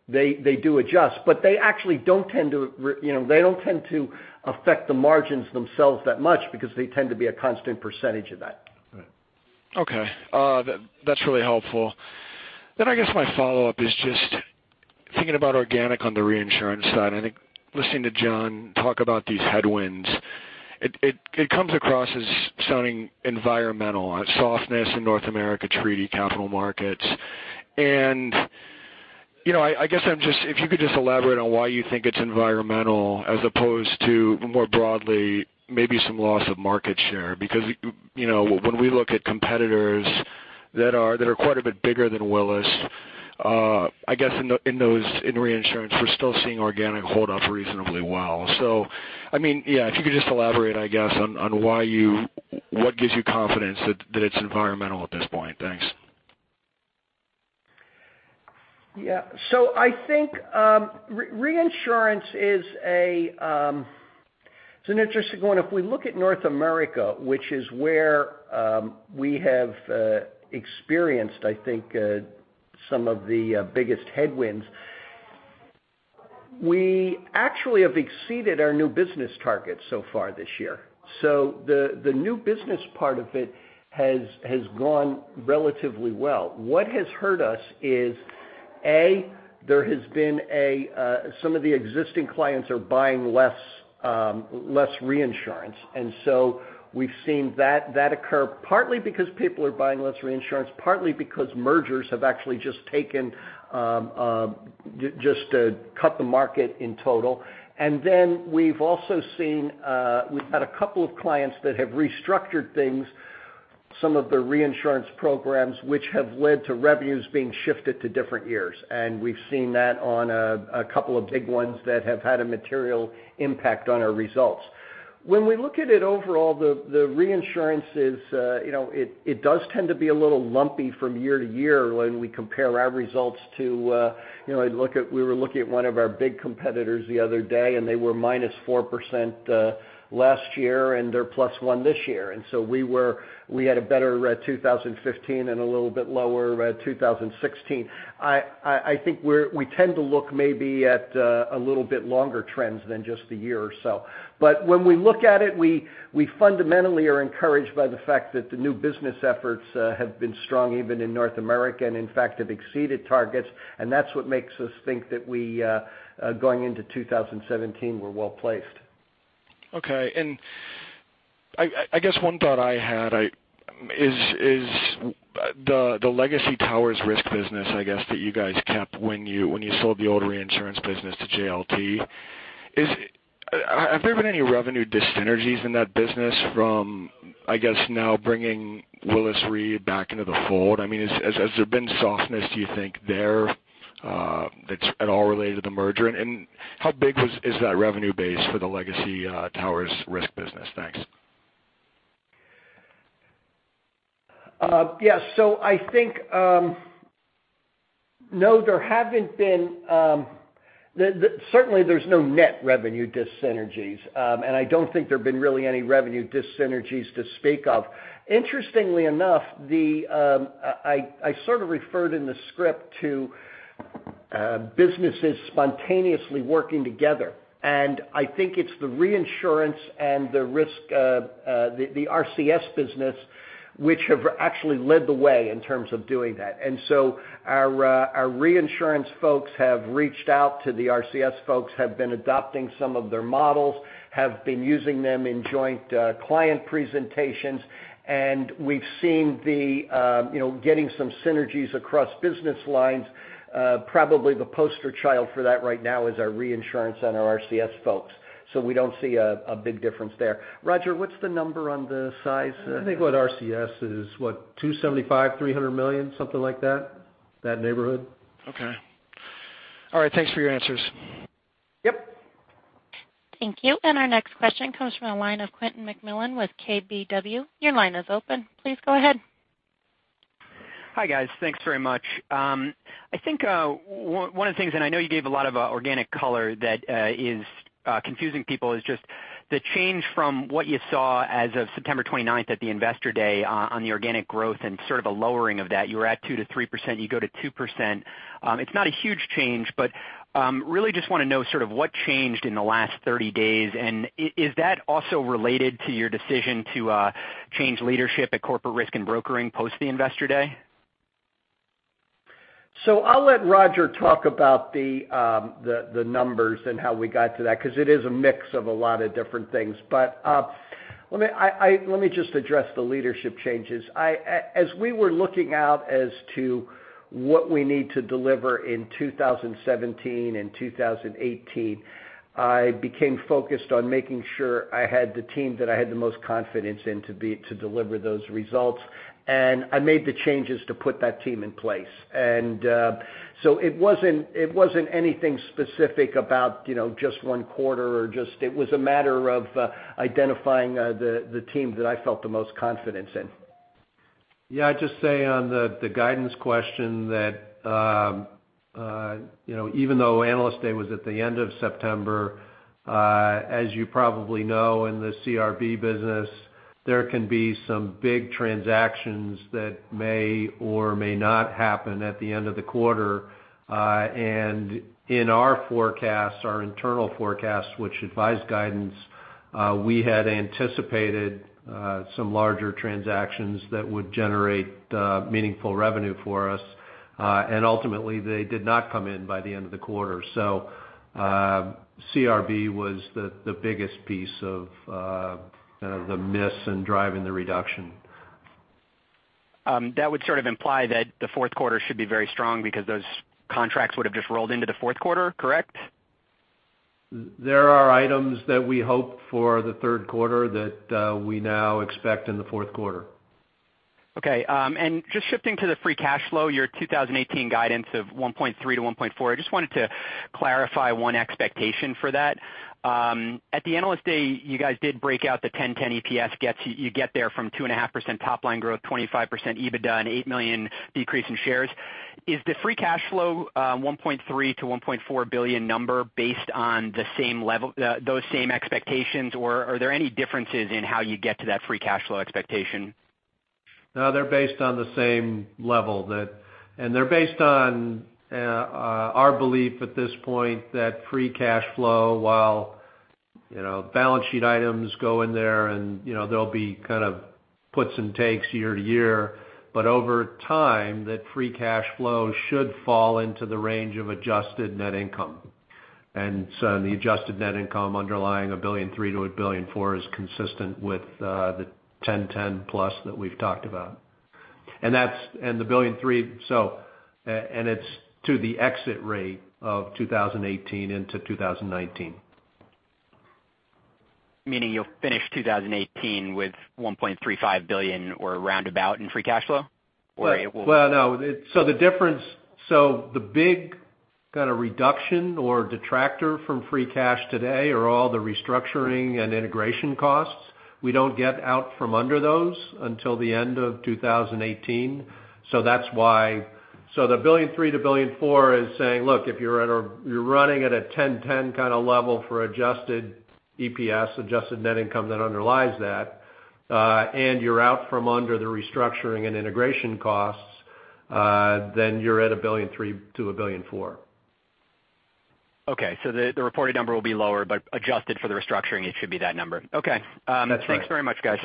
They do adjust, but they don't tend to affect the margins themselves that much because they tend to be a constant % of that. Right. Okay. That's really helpful. I guess my follow-up is just thinking about organic on the reinsurance side. I think listening to John talk about these headwinds, it comes across as sounding environmental, softness in North America treaty capital markets. I guess if you could just elaborate on why you think it's environmental as opposed to, more broadly, maybe some loss of market share. When we look at competitors that are quite a bit bigger than Willis, I guess in reinsurance, we're still seeing organic hold up reasonably well. If you could just elaborate, I guess, on what gives you confidence that it's environmental at this point. Thanks. Yeah. I think reinsurance is an interesting one. If we look at North America, which is where we have experienced, I think, some of the biggest headwinds, we actually have exceeded our new business targets so far this year. The new business part of it has gone relatively well. What has hurt us is, A, there has been some of the existing clients are buying less reinsurance. We've seen that occur partly because people are buying less reinsurance, partly because mergers have actually just cut the market in total. Then we've had a couple of clients that have restructured some of the reinsurance programs which have led to revenues being shifted to different years. We've seen that on a couple of big ones that have had a material impact on our results. When we look at it overall, the reinsurance, it does tend to be a little lumpy from year to year when we compare our results. We were looking at one of our big competitors the other day, and they were -4% last year, and they're +1 this year. We had a better 2015 and a little bit lower 2016. I think we tend to look maybe at a little bit longer trends than just a year or so. When we look at it, we fundamentally are encouraged by the fact that the new business efforts have been strong, even in North America, and in fact, have exceeded targets, and that's what makes us think that going into 2017, we're well-placed. Okay. I guess one thought I had is the legacy Towers risk business, I guess, that you guys kept when you sold the old reinsurance business to JLT. Have there been any revenue dyssynergies in that business from, I guess now bringing Willis Re back into the fold? Has there been softness, do you think, there, that's at all related to the merger? How big is that revenue base for the legacy Towers risk business? Thanks. Yes. I think, no, certainly there's no net revenue dyssynergies. I don't think there've been really any revenue dyssynergies to speak of. Interestingly enough, I sort of referred in the script to businesses spontaneously working together, and I think it's the reinsurance and the RCS business which have actually led the way in terms of doing that. Our reinsurance folks have reached out to the RCS folks, have been adopting some of their models, have been using them in joint client presentations, and we've seen getting some synergies across business lines. Probably the poster child for that right now is our reinsurance and our RCS folks. We don't see a big difference there. Roger, what's the number on the size? I think what RCS is, what, $275 million, $300 million, something like that neighborhood. Okay. All right. Thanks for your answers. Yep. Thank you. Our next question comes from the line of Quentin McMillan with KBW. Your line is open. Please go ahead. Hi, guys. Thanks very much. I think one of the things, I know you gave a lot of organic color that is confusing people, is just the change from what you saw as of September 29th at the Investor Day on the organic growth and sort of a lowering of that. You were at 2%-3%, you go to 2%. It's not a huge change, but really just want to know sort of what changed in the last 30 days, and is that also related to your decision to change leadership at Corporate Risk and Broking post the Investor Day? I'll let Roger talk about the numbers and how we got to that, because it is a mix of a lot of different things. Let me just address the leadership changes. As we were looking out as to what we need to deliver in 2017 and 2018, I became focused on making sure I had the team that I had the most confidence in to deliver those results, and I made the changes to put that team in place. It wasn't anything specific about just one quarter. It was a matter of identifying the team that I felt the most confidence in. Yeah, I'd just say on the guidance question that even though Analyst Day was at the end of September, as you probably know in the CRB business, there can be some big transactions that may or may not happen at the end of the quarter. In our forecasts, our internal forecasts, which advise guidance, we had anticipated some larger transactions that would generate meaningful revenue for us. Ultimately, they did not come in by the end of the quarter. CRB was the biggest piece of the miss in driving the reduction. That would sort of imply that the fourth quarter should be very strong because those contracts would have just rolled into the fourth quarter, correct? There are items that we hope for the third quarter that we now expect in the fourth quarter. Okay. Just shifting to the free cash flow, your 2018 guidance of $1.3 billion to $1.4 billion. I just wanted to clarify one expectation for that. At the Analyst Day, you guys did break out the 10/10 EPS you get there from 2.5% top-line growth, 25% EBITDA, and 8 million decrease in shares. Is the free cash flow $1.3 billion to $1.4 billion number based on those same expectations, or are there any differences in how you get to that free cash flow expectation? No, they're based on the same level. They're based on our belief at this point that free cash flow, while balance sheet items go in there and there'll be kind of puts and takes year-to-year, but over time, that free cash flow should fall into the range of adjusted net income. The adjusted net income underlying $1.3 billion to $1.4 billion is consistent with the 10/10 plus that we've talked about. The $1.3 billion, and it's to the exit rate of 2018 into 2019. Meaning you'll finish 2018 with $1.35 billion or roundabout in free cash flow? Or it will- Well, no. The big kind of reduction or detractor from free cash today are all the restructuring and integration costs. We don't get out from under those until the end of 2018. The $1.3 billion to $1.4 billion is saying, look, if you're running at a 10/10 kind of level for adjusted EPS, adjusted net income that underlies that, and you're out from under the restructuring and integration costs, then you're at $1.3 billion to $1.4 billion. Okay. The reported number will be lower, but adjusted for the restructuring, it should be that number. Okay. That's right. Thanks very much, guys.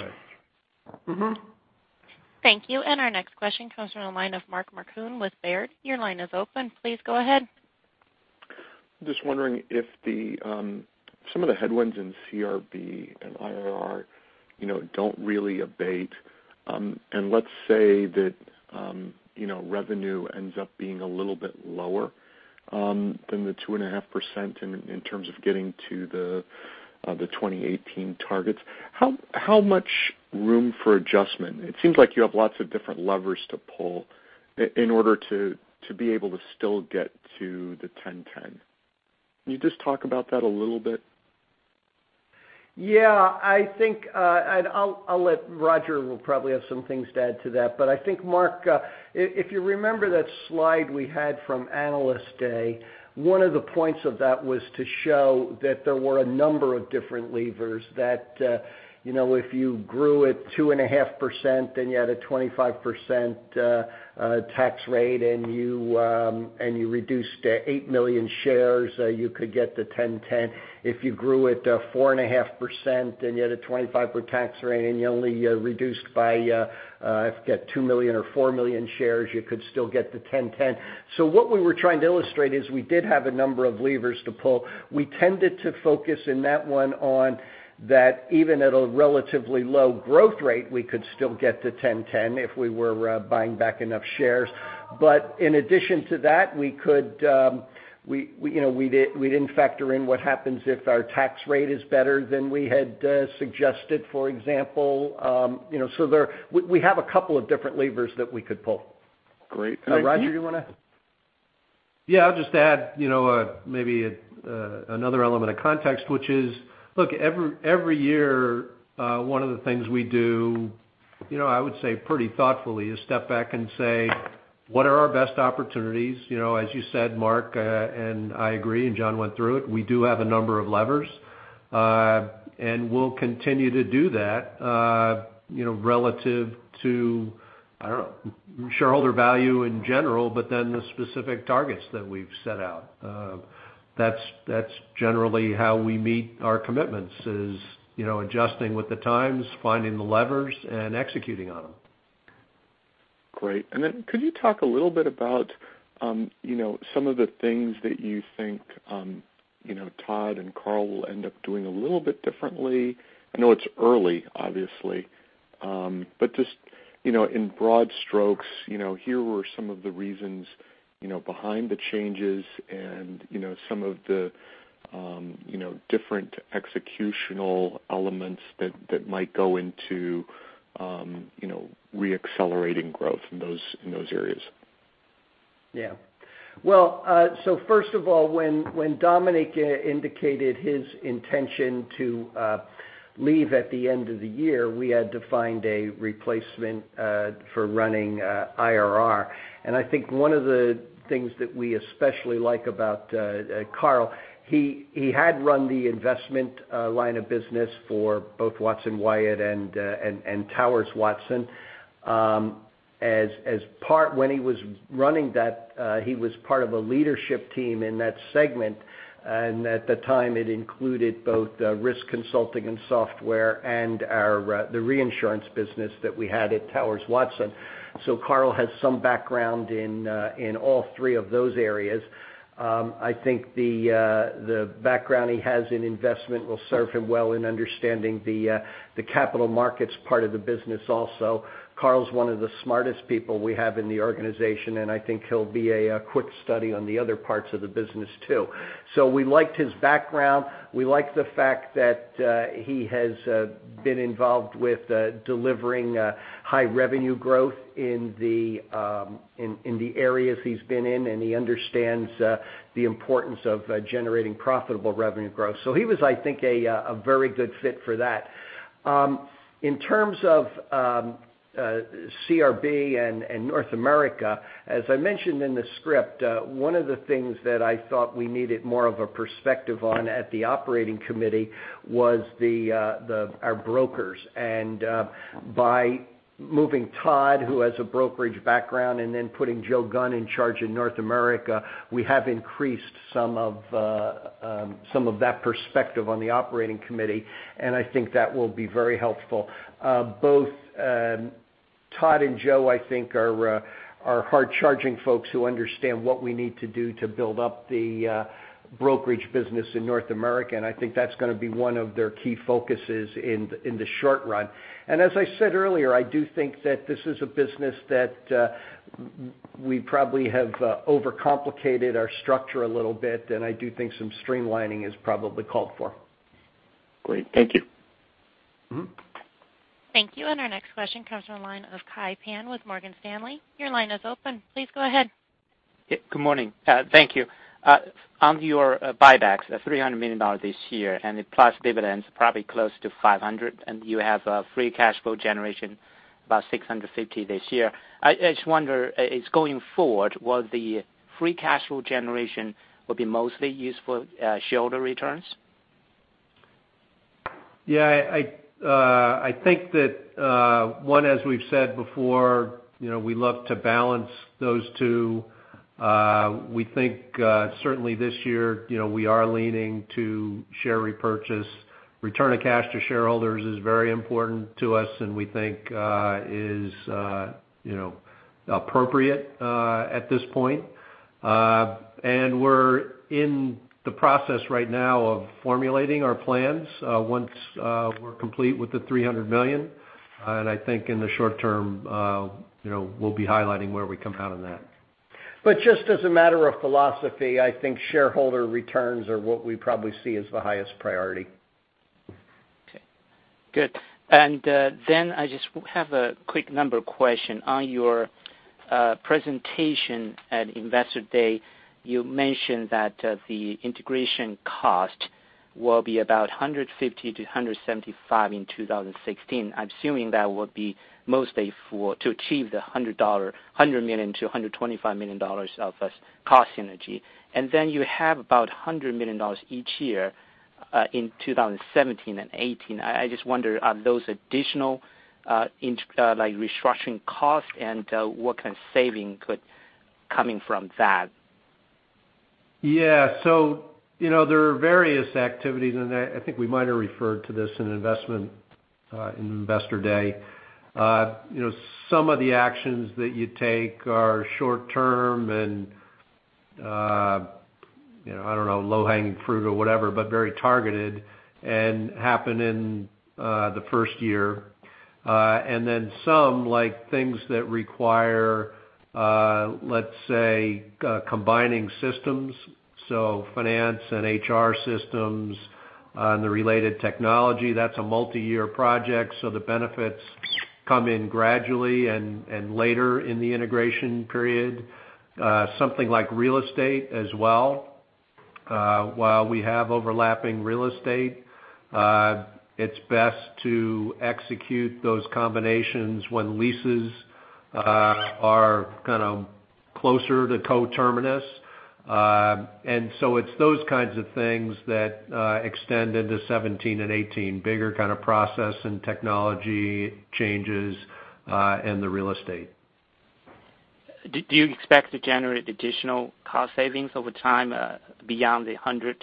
Thank you. Our next question comes from the line of Mark Marcon with Baird. Your line is open. Please go ahead. Just wondering if some of the headwinds in CRB and IRR don't really abate. Let's say that revenue ends up being a little bit lower than the 2.5% in terms of getting to the 2018 targets, how much room for adjustment? It seems like you have lots of different levers to pull in order to be able to still get to the 10.10. Can you just talk about that a little bit? Yeah. Roger will probably have some things to add to that. I think, Mark, if you remember that slide we had from Analyst Day, one of the points of that was to show that there were a number of different levers that if you grew at 2.5% and you had a 25% tax rate, and you reduced to 8 million shares, you could get to 10.10. If you grew at 4.5% and you had a 25% tax rate and you only reduced by, I forget, 2 million or 4 million shares, you could still get to 10.10. What we were trying to illustrate is we did have a number of levers to pull. We tended to focus in that one on that even at a relatively low growth rate, we could still get to 10.10 if we were buying back enough shares. In addition to that, we didn't factor in what happens if our tax rate is better than we had suggested, for example. We have a couple of different levers that we could pull. Great. Thank you. Roger, you want to? Yeah, I'll just add maybe another element of context, which is, look, every year one of the things we do, I would say pretty thoughtfully is step back and say, what are our best opportunities? As you said, Mark, I agree, John went through it, we do have a number of levers. We'll continue to do that relative to, I don't know, shareholder value in general, the specific targets that we've set out. That's generally how we meet our commitments is adjusting with the times, finding the levers, and executing on them. Great. Could you talk a little bit about some of the things that you think Todd and Carl will end up doing a little bit differently? I know it's early, obviously. Just in broad strokes, here were some of the reasons behind the changes and some of the different executional elements that might go into re-accelerating growth in those areas. Yeah. First of all, when Dominic indicated his intention to leave at the end of the year, we had to find a replacement for running IRR. I think one of the things that we especially like about Carl, he had run the investment line of business for both Watson Wyatt and Towers Watson. When he was running that, he was part of a leadership team in that segment, at the time, it included both risk consulting and software and the reinsurance business that we had at Towers Watson. Carl has some background in all three of those areas. I think the background he has in investment will serve him well in understanding the capital markets part of the business also. Carl is one of the smartest people we have in the organization, I think he'll be a quick study on the other parts of the business, too. We liked his background. We liked the fact that he has been involved with delivering high revenue growth in the areas he's been in, he understands the importance of generating profitable revenue growth. He was, I think, a very good fit for that. In terms of CRB and North America, as I mentioned in the script, one of the things that I thought we needed more of a perspective on at the operating committee was our brokers. By moving Todd, who has a brokerage background, then putting Joe Gunn in charge in North America, we have increased some of that perspective on the operating committee, I think that will be very helpful. Both Todd and Joe, I think, are hard-charging folks who understand what we need to do to build up the brokerage business in North America, I think that's going to be one of their key focuses in the short run. As I said earlier, I do think that this is a business that we probably have overcomplicated our structure a little bit, I do think some streamlining is probably called for. Great. Thank you. Thank you. Our next question comes from the line of Kai Pan with Morgan Stanley. Your line is open. Please go ahead. Good morning. Thank you. On your buybacks, $300 million this year, plus dividends, probably close to $500 million. You have a free cash flow generation about $650 million this year. I just wonder, is going forward, will the free cash flow generation be mostly used for shareholder returns? Yeah. I think that, one, as we've said before, we love to balance those two. We think, certainly this year, we are leaning to share repurchase. Return of cash to shareholders is very important to us. We think is appropriate at this point. We're in the process right now of formulating our plans, once we're complete with the $300 million. I think in the short term, we'll be highlighting where we come out on that. Just as a matter of philosophy, I think shareholder returns are what we probably see as the highest priority. Okay, good. I just have a quick number question. On your presentation at Investor Day, you mentioned that the integration cost will be about $150 million-$175 million in 2016. I'm assuming that would be mostly to achieve the $100 million to $125 million of cost synergy. You have about $100 million each year in 2017 and 2018. I just wonder, are those additional restructuring costs and what kind of saving could come from that? Yeah. There are various activities, and I think we might have referred to this in Investor Day. Some of the actions that you take are short-term and, I don't know, low-hanging fruit or whatever, but very targeted and happen in the first year. Then some, like things that require, let's say, combining systems, so finance and HR systems and the related technology, that's a multi-year project. The benefits come in gradually and later in the integration period. Something like real estate as well. While we have overlapping real estate, it's best to execute those combinations when leases are kind of closer to coterminous. It's those kinds of things that extend into 2017 and 2018, bigger kind of process and technology changes, and the real estate. Do you expect to generate additional cost savings over time beyond the $100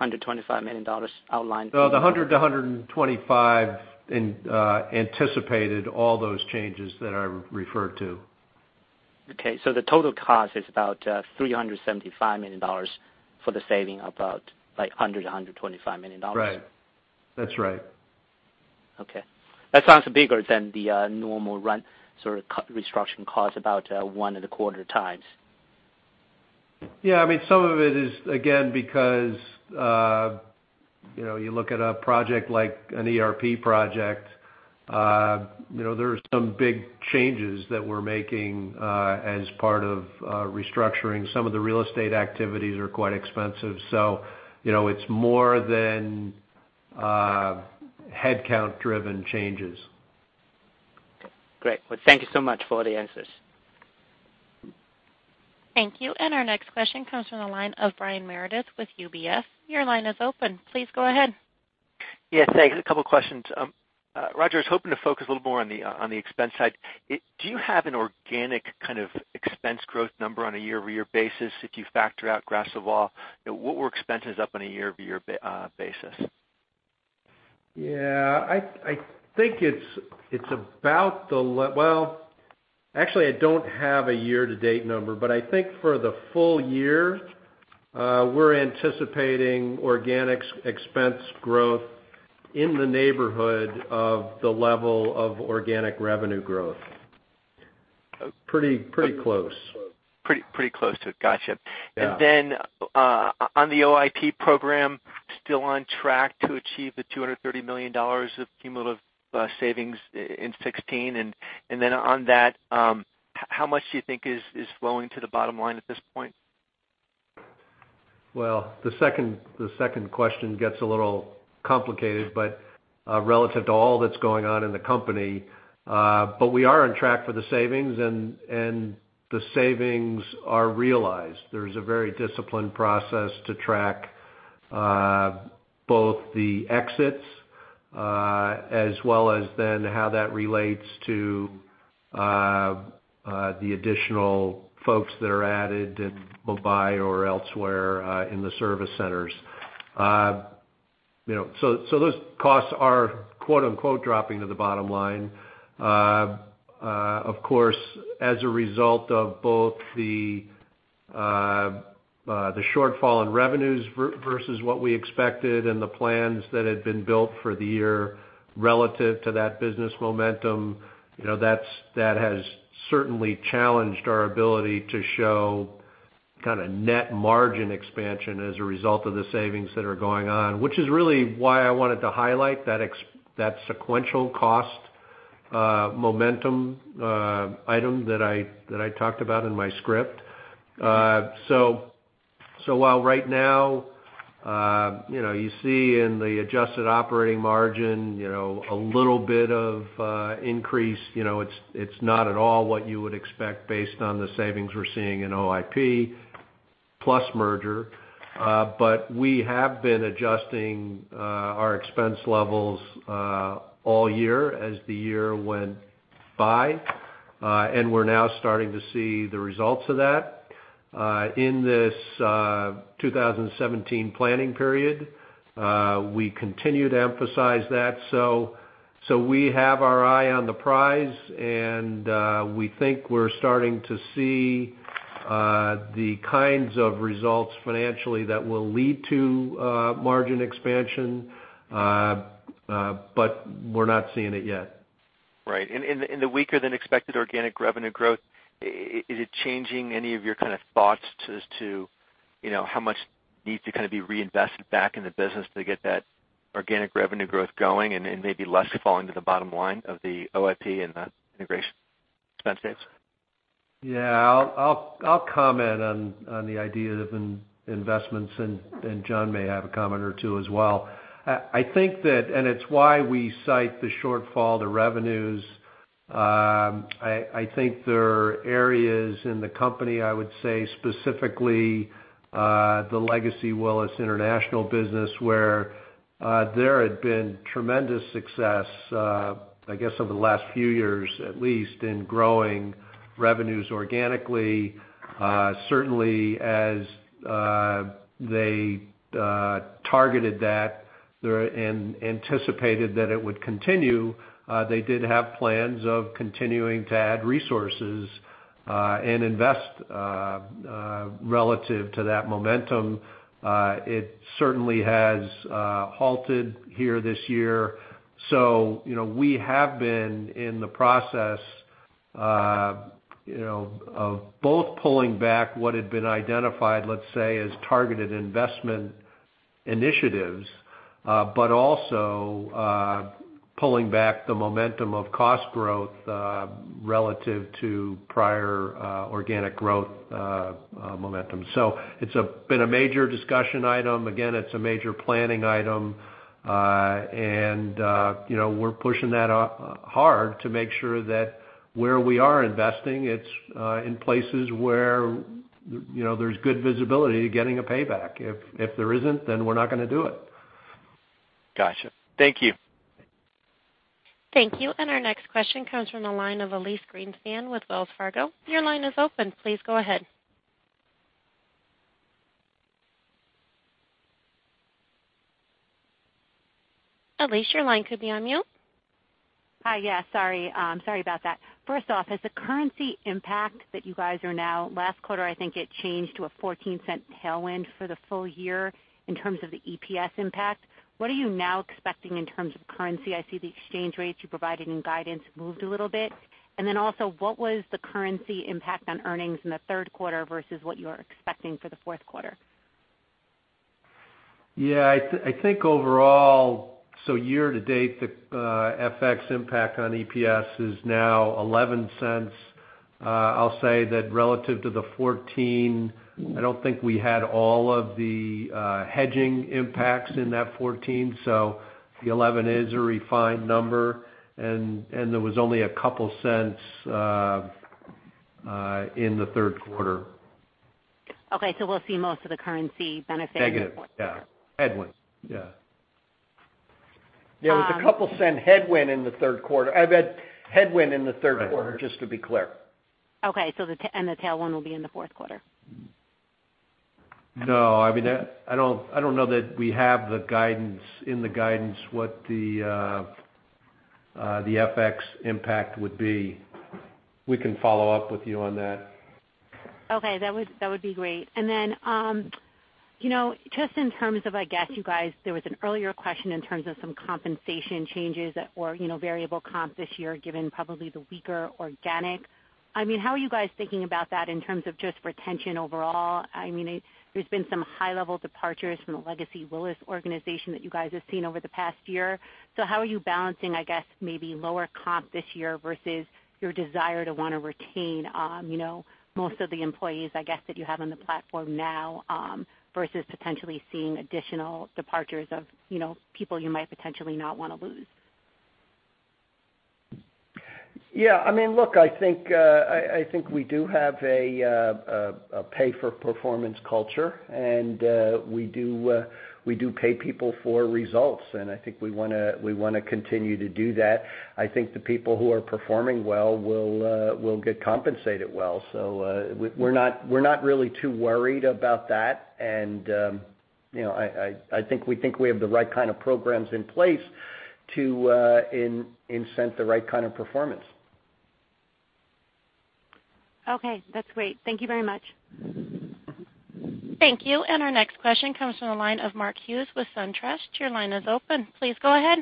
million-$125 million outlined? The $100 million-$125 million anticipated all those changes that I referred to. Okay. The total cost is about $375 million for the saving about $100 million-$125 million. Right. That's right. Okay. That sounds bigger than the normal run sort of restructuring cost, about one and a quarter times. Yeah. Some of it is, again, because you look at a project like an ERP project. There are some big changes that we're making as part of restructuring. Some of the real estate activities are quite expensive, so it's more than headcount-driven changes. Okay, great. Well, thank you so much for the answers. Thank you. Our next question comes from the line of Brian Meredith with UBS. Your line is open. Please go ahead. Yeah, thanks. A couple questions. Roger, I was hoping to focus a little more on the expense side. Do you have an organic kind of expense growth number on a year-over-year basis if you factor out Gras Savoye? What were expenses up on a year-over-year basis? Yeah. Well, actually, I don't have a year-to-date number, but I think for the full year, we're anticipating organic expense growth in the neighborhood of the level of organic revenue growth. Pretty close. Pretty close to it. Gotcha. Yeah. On the OIP program, still on track to achieve the $230 million of cumulative savings in 2016? On that, how much do you think is flowing to the bottom line at this point? Well, the second question gets a little complicated, but relative to all that's going on in the company, we are on track for the savings, and the savings are realized. There's a very disciplined process to track both the exits as well as then how that relates to the additional folks that are added in Mumbai or elsewhere in the service centers. Those costs are "dropping to the bottom line." Of course, as a result of both the shortfall in revenues versus what we expected and the plans that had been built for the year relative to that business momentum, that has certainly challenged our ability to show kind of net margin expansion as a result of the savings that are going on, which is really why I wanted to highlight that sequential cost momentum item that I talked about in my script. While right now, you see in the adjusted operating margin a little bit of increase, it's not at all what you would expect based on the savings we're seeing in OIP plus merger. We have been adjusting our expense levels all year as the year went by, and we're now starting to see the results of that. In this 2017 planning period, we continue to emphasize that. We have our eye on the prize, and we think we're starting to see the kinds of results financially that will lead to margin expansion, but we're not seeing it yet. Right. In the weaker than expected organic revenue growth, is it changing any of your kind of thoughts as to how much needs to kind of be reinvested back in the business to get that organic revenue growth going and maybe less falling to the bottom line of the OIP and the integration expense base? Yeah. I'll comment on the idea of investments, and John Haley may have a comment or two as well. I think that, and it's why we cite the shortfall to revenues, I think there are areas in the company, I would say specifically, the legacy Willis International business where there had been tremendous success, I guess, over the last few years at least, in growing revenues organically. Certainly as they targeted that and anticipated that it would continue, they did have plans of continuing to add resources, and invest relative to that momentum. It certainly has halted here this year. We have been in the process of both pulling back what had been identified, let's say, as targeted investment initiatives, but also pulling back the momentum of cost growth relative to prior organic growth momentum. It's been a major discussion item. Again, it's a major planning item. We're pushing that hard to make sure that where we are investing, it's in places where there's good visibility to getting a payback. If there isn't, we're not going to do it. Got you. Thank you. Thank you. Our next question comes from the line of Elyse Greenspan with Wells Fargo. Your line is open. Please go ahead. Elyse, your line could be on mute. Hi. Yeah, sorry about that. First off, has the currency impact that you guys are now, last quarter, I think it changed to a $0.14 tailwind for the full year in terms of the EPS impact. What are you now expecting in terms of currency? I see the exchange rates you provided in guidance moved a little bit. Also, what was the currency impact on earnings in the third quarter versus what you are expecting for the fourth quarter? Yeah, I think overall, year-to-date, the FX impact on EPS is now $0.11. I'll say that relative to the 14, I don't think we had all of the hedging impacts in that 14. The 11 is a refined number, and there was only a couple cents in the third quarter. Okay, we'll see most of the currency benefit- Negative. Yeah. Headwind. Yeah. Yeah, it was a couple cent headwind in the third quarter. a net headwind in the third quarter, just to be clear. Okay, the tailwind will be in the fourth quarter. No, I don't know that we have the guidance in the guidance what the FX impact would be. We can follow up with you on that. Okay. That would be great. Just in terms of, I guess you guys, there was an earlier question in terms of some compensation changes or variable comp this year, given probably the weaker organic. How are you guys thinking about that in terms of just retention overall? There's been some high-level departures from the legacy Willis organization that you guys have seen over the past year. How are you balancing, I guess, maybe lower comp this year versus your desire to want to retain most of the employees, I guess, that you have on the platform now versus potentially seeing additional departures of people you might potentially not want to lose? Yeah, look, I think we do have a pay-for-performance culture, and we do pay people for results, and I think we want to continue to do that. I think the people who are performing well will get compensated well. We're not really too worried about that. I think we think we have the right kind of programs in place to incent the right kind of performance. Okay. That's great. Thank you very much. Thank you. Our next question comes from the line of Mark Hughes with SunTrust. Your line is open. Please go ahead.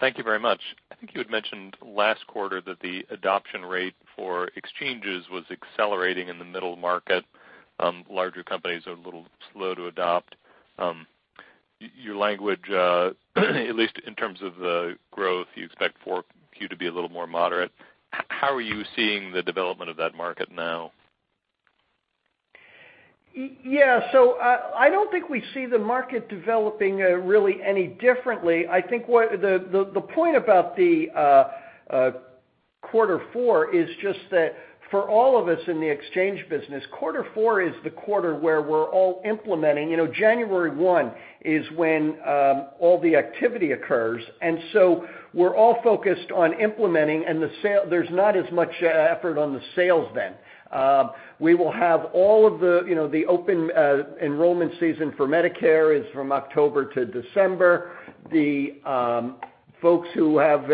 Thank you very much. I think you had mentioned last quarter that the adoption rate for Exchange Solutions was accelerating in the middle market. Larger companies are a little slow to adopt. Your language, at least in terms of the growth you expect for Q to be a little more moderate. How are you seeing the development of that market now? I don't think we see the market developing really any differently. I think the point about the quarter four is just that for all of us in the Exchange Solutions business, quarter four is the quarter where we're all implementing. January 1 is when all the activity occurs. We're all focused on implementing, and there's not as much effort on the sales then. We will have all of the open enrollment season for Medicare is from October to December. The folks who have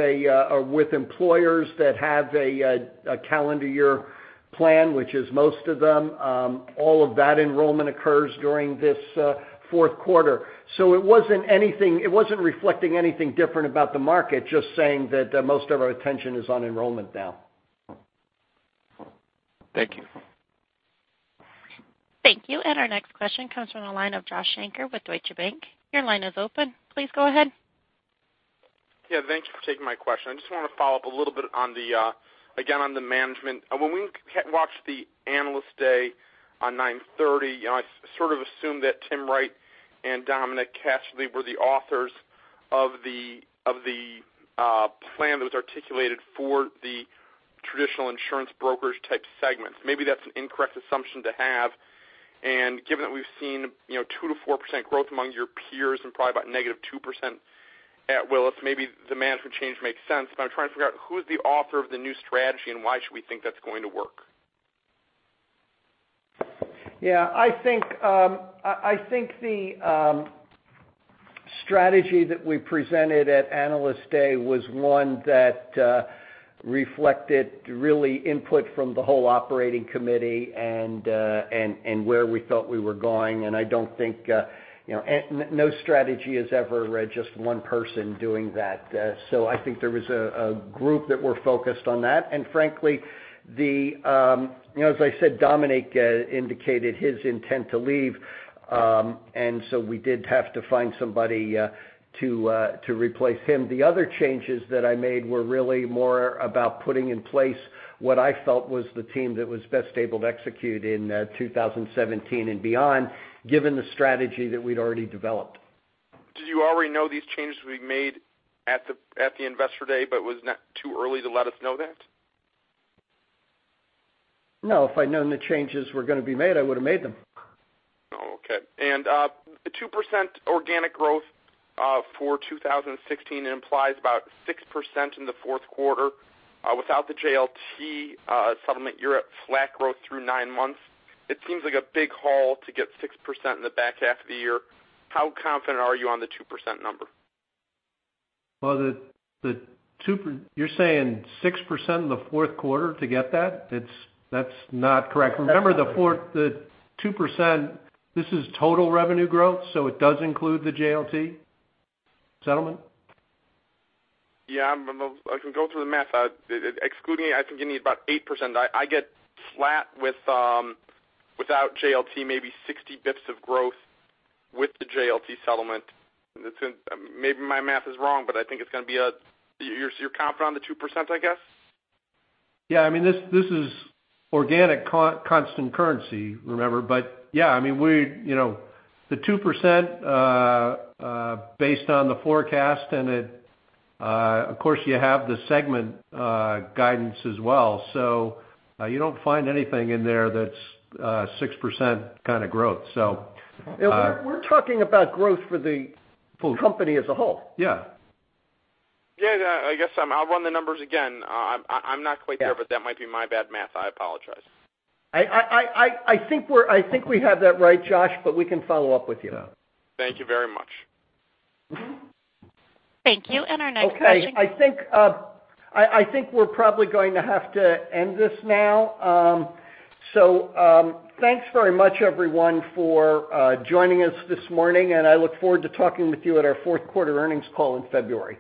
with employers that have a calendar year plan, which is most of them, all of that enrollment occurs during this fourth quarter. It wasn't reflecting anything different about the market, just saying that most of our attention is on enrollment now. Thank you. Thank you. Our next question comes from the line of Joshua Shanker with Deutsche Bank. Your line is open. Please go ahead. Thank you for taking my question. I just want to follow up a little bit, again, on the management. When we watched the Analyst Day on 9/30, I sort of assumed that Tim Wright and Dominic Casserley were the authors of the plan that was articulated for the traditional insurance brokers type segments. Maybe that's an incorrect assumption to have. Given that we've seen 2% to 4% growth among your peers and probably about -2% at Willis, maybe the management change makes sense. I'm trying to figure out who's the author of the new strategy, and why should we think that's going to work? Yeah. I think the strategy that we presented at Analyst Day was one that reflected really input from the whole operating committee and where we thought we were going. No strategy is ever just one person doing that. I think there was a group that were focused on that. Frankly, as I said, Dominic indicated his intent to leave, we did have to find somebody to replace him. The other changes that I made were really more about putting in place what I felt was the team that was best able to execute in 2017 and beyond, given the strategy that we'd already developed. Did you already know these changes would be made at the Investor Day, was not too early to let us know that? No. If I'd known the changes were going to be made, I would've made them. Oh, okay. The 2% organic growth for 2016 implies about 6% in the fourth quarter. Without the JLT settlement, you're at flat growth through nine months. It seems like a big haul to get 6% in the back half of the year. How confident are you on the 2% number? Well, you're saying 6% in the fourth quarter to get that? That's not correct. Remember the 2%, this is total revenue growth, so it does include the JLT settlement. Yeah. I can go through the math. Excluding it, I think you need about 8%. I get flat without JLT, maybe 60 basis points of growth with the JLT settlement. Maybe my math is wrong, but You're confident on the 2%, I guess? Yeah. This is organic constant currency, remember. Yeah, the 2%, based on the forecast and it, of course, you have the segment guidance as well. You don't find anything in there that's 6% kind of growth. We're talking about growth for the company as a whole. Yeah. Yeah. I guess I'll run the numbers again. I'm not quite there, but that might be my bad math. I apologize. I think we have that right, Josh. We can follow up with you. Thank you very much. Thank you. Our next question- Okay. I think we're probably going to have to end this now. Thanks very much, everyone, for joining us this morning, and I look forward to talking with you at our fourth quarter earnings call in February.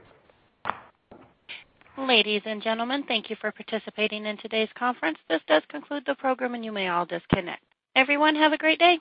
Ladies and gentlemen, thank you for participating in today's conference. This does conclude the program, and you may all disconnect. Everyone, have a great day.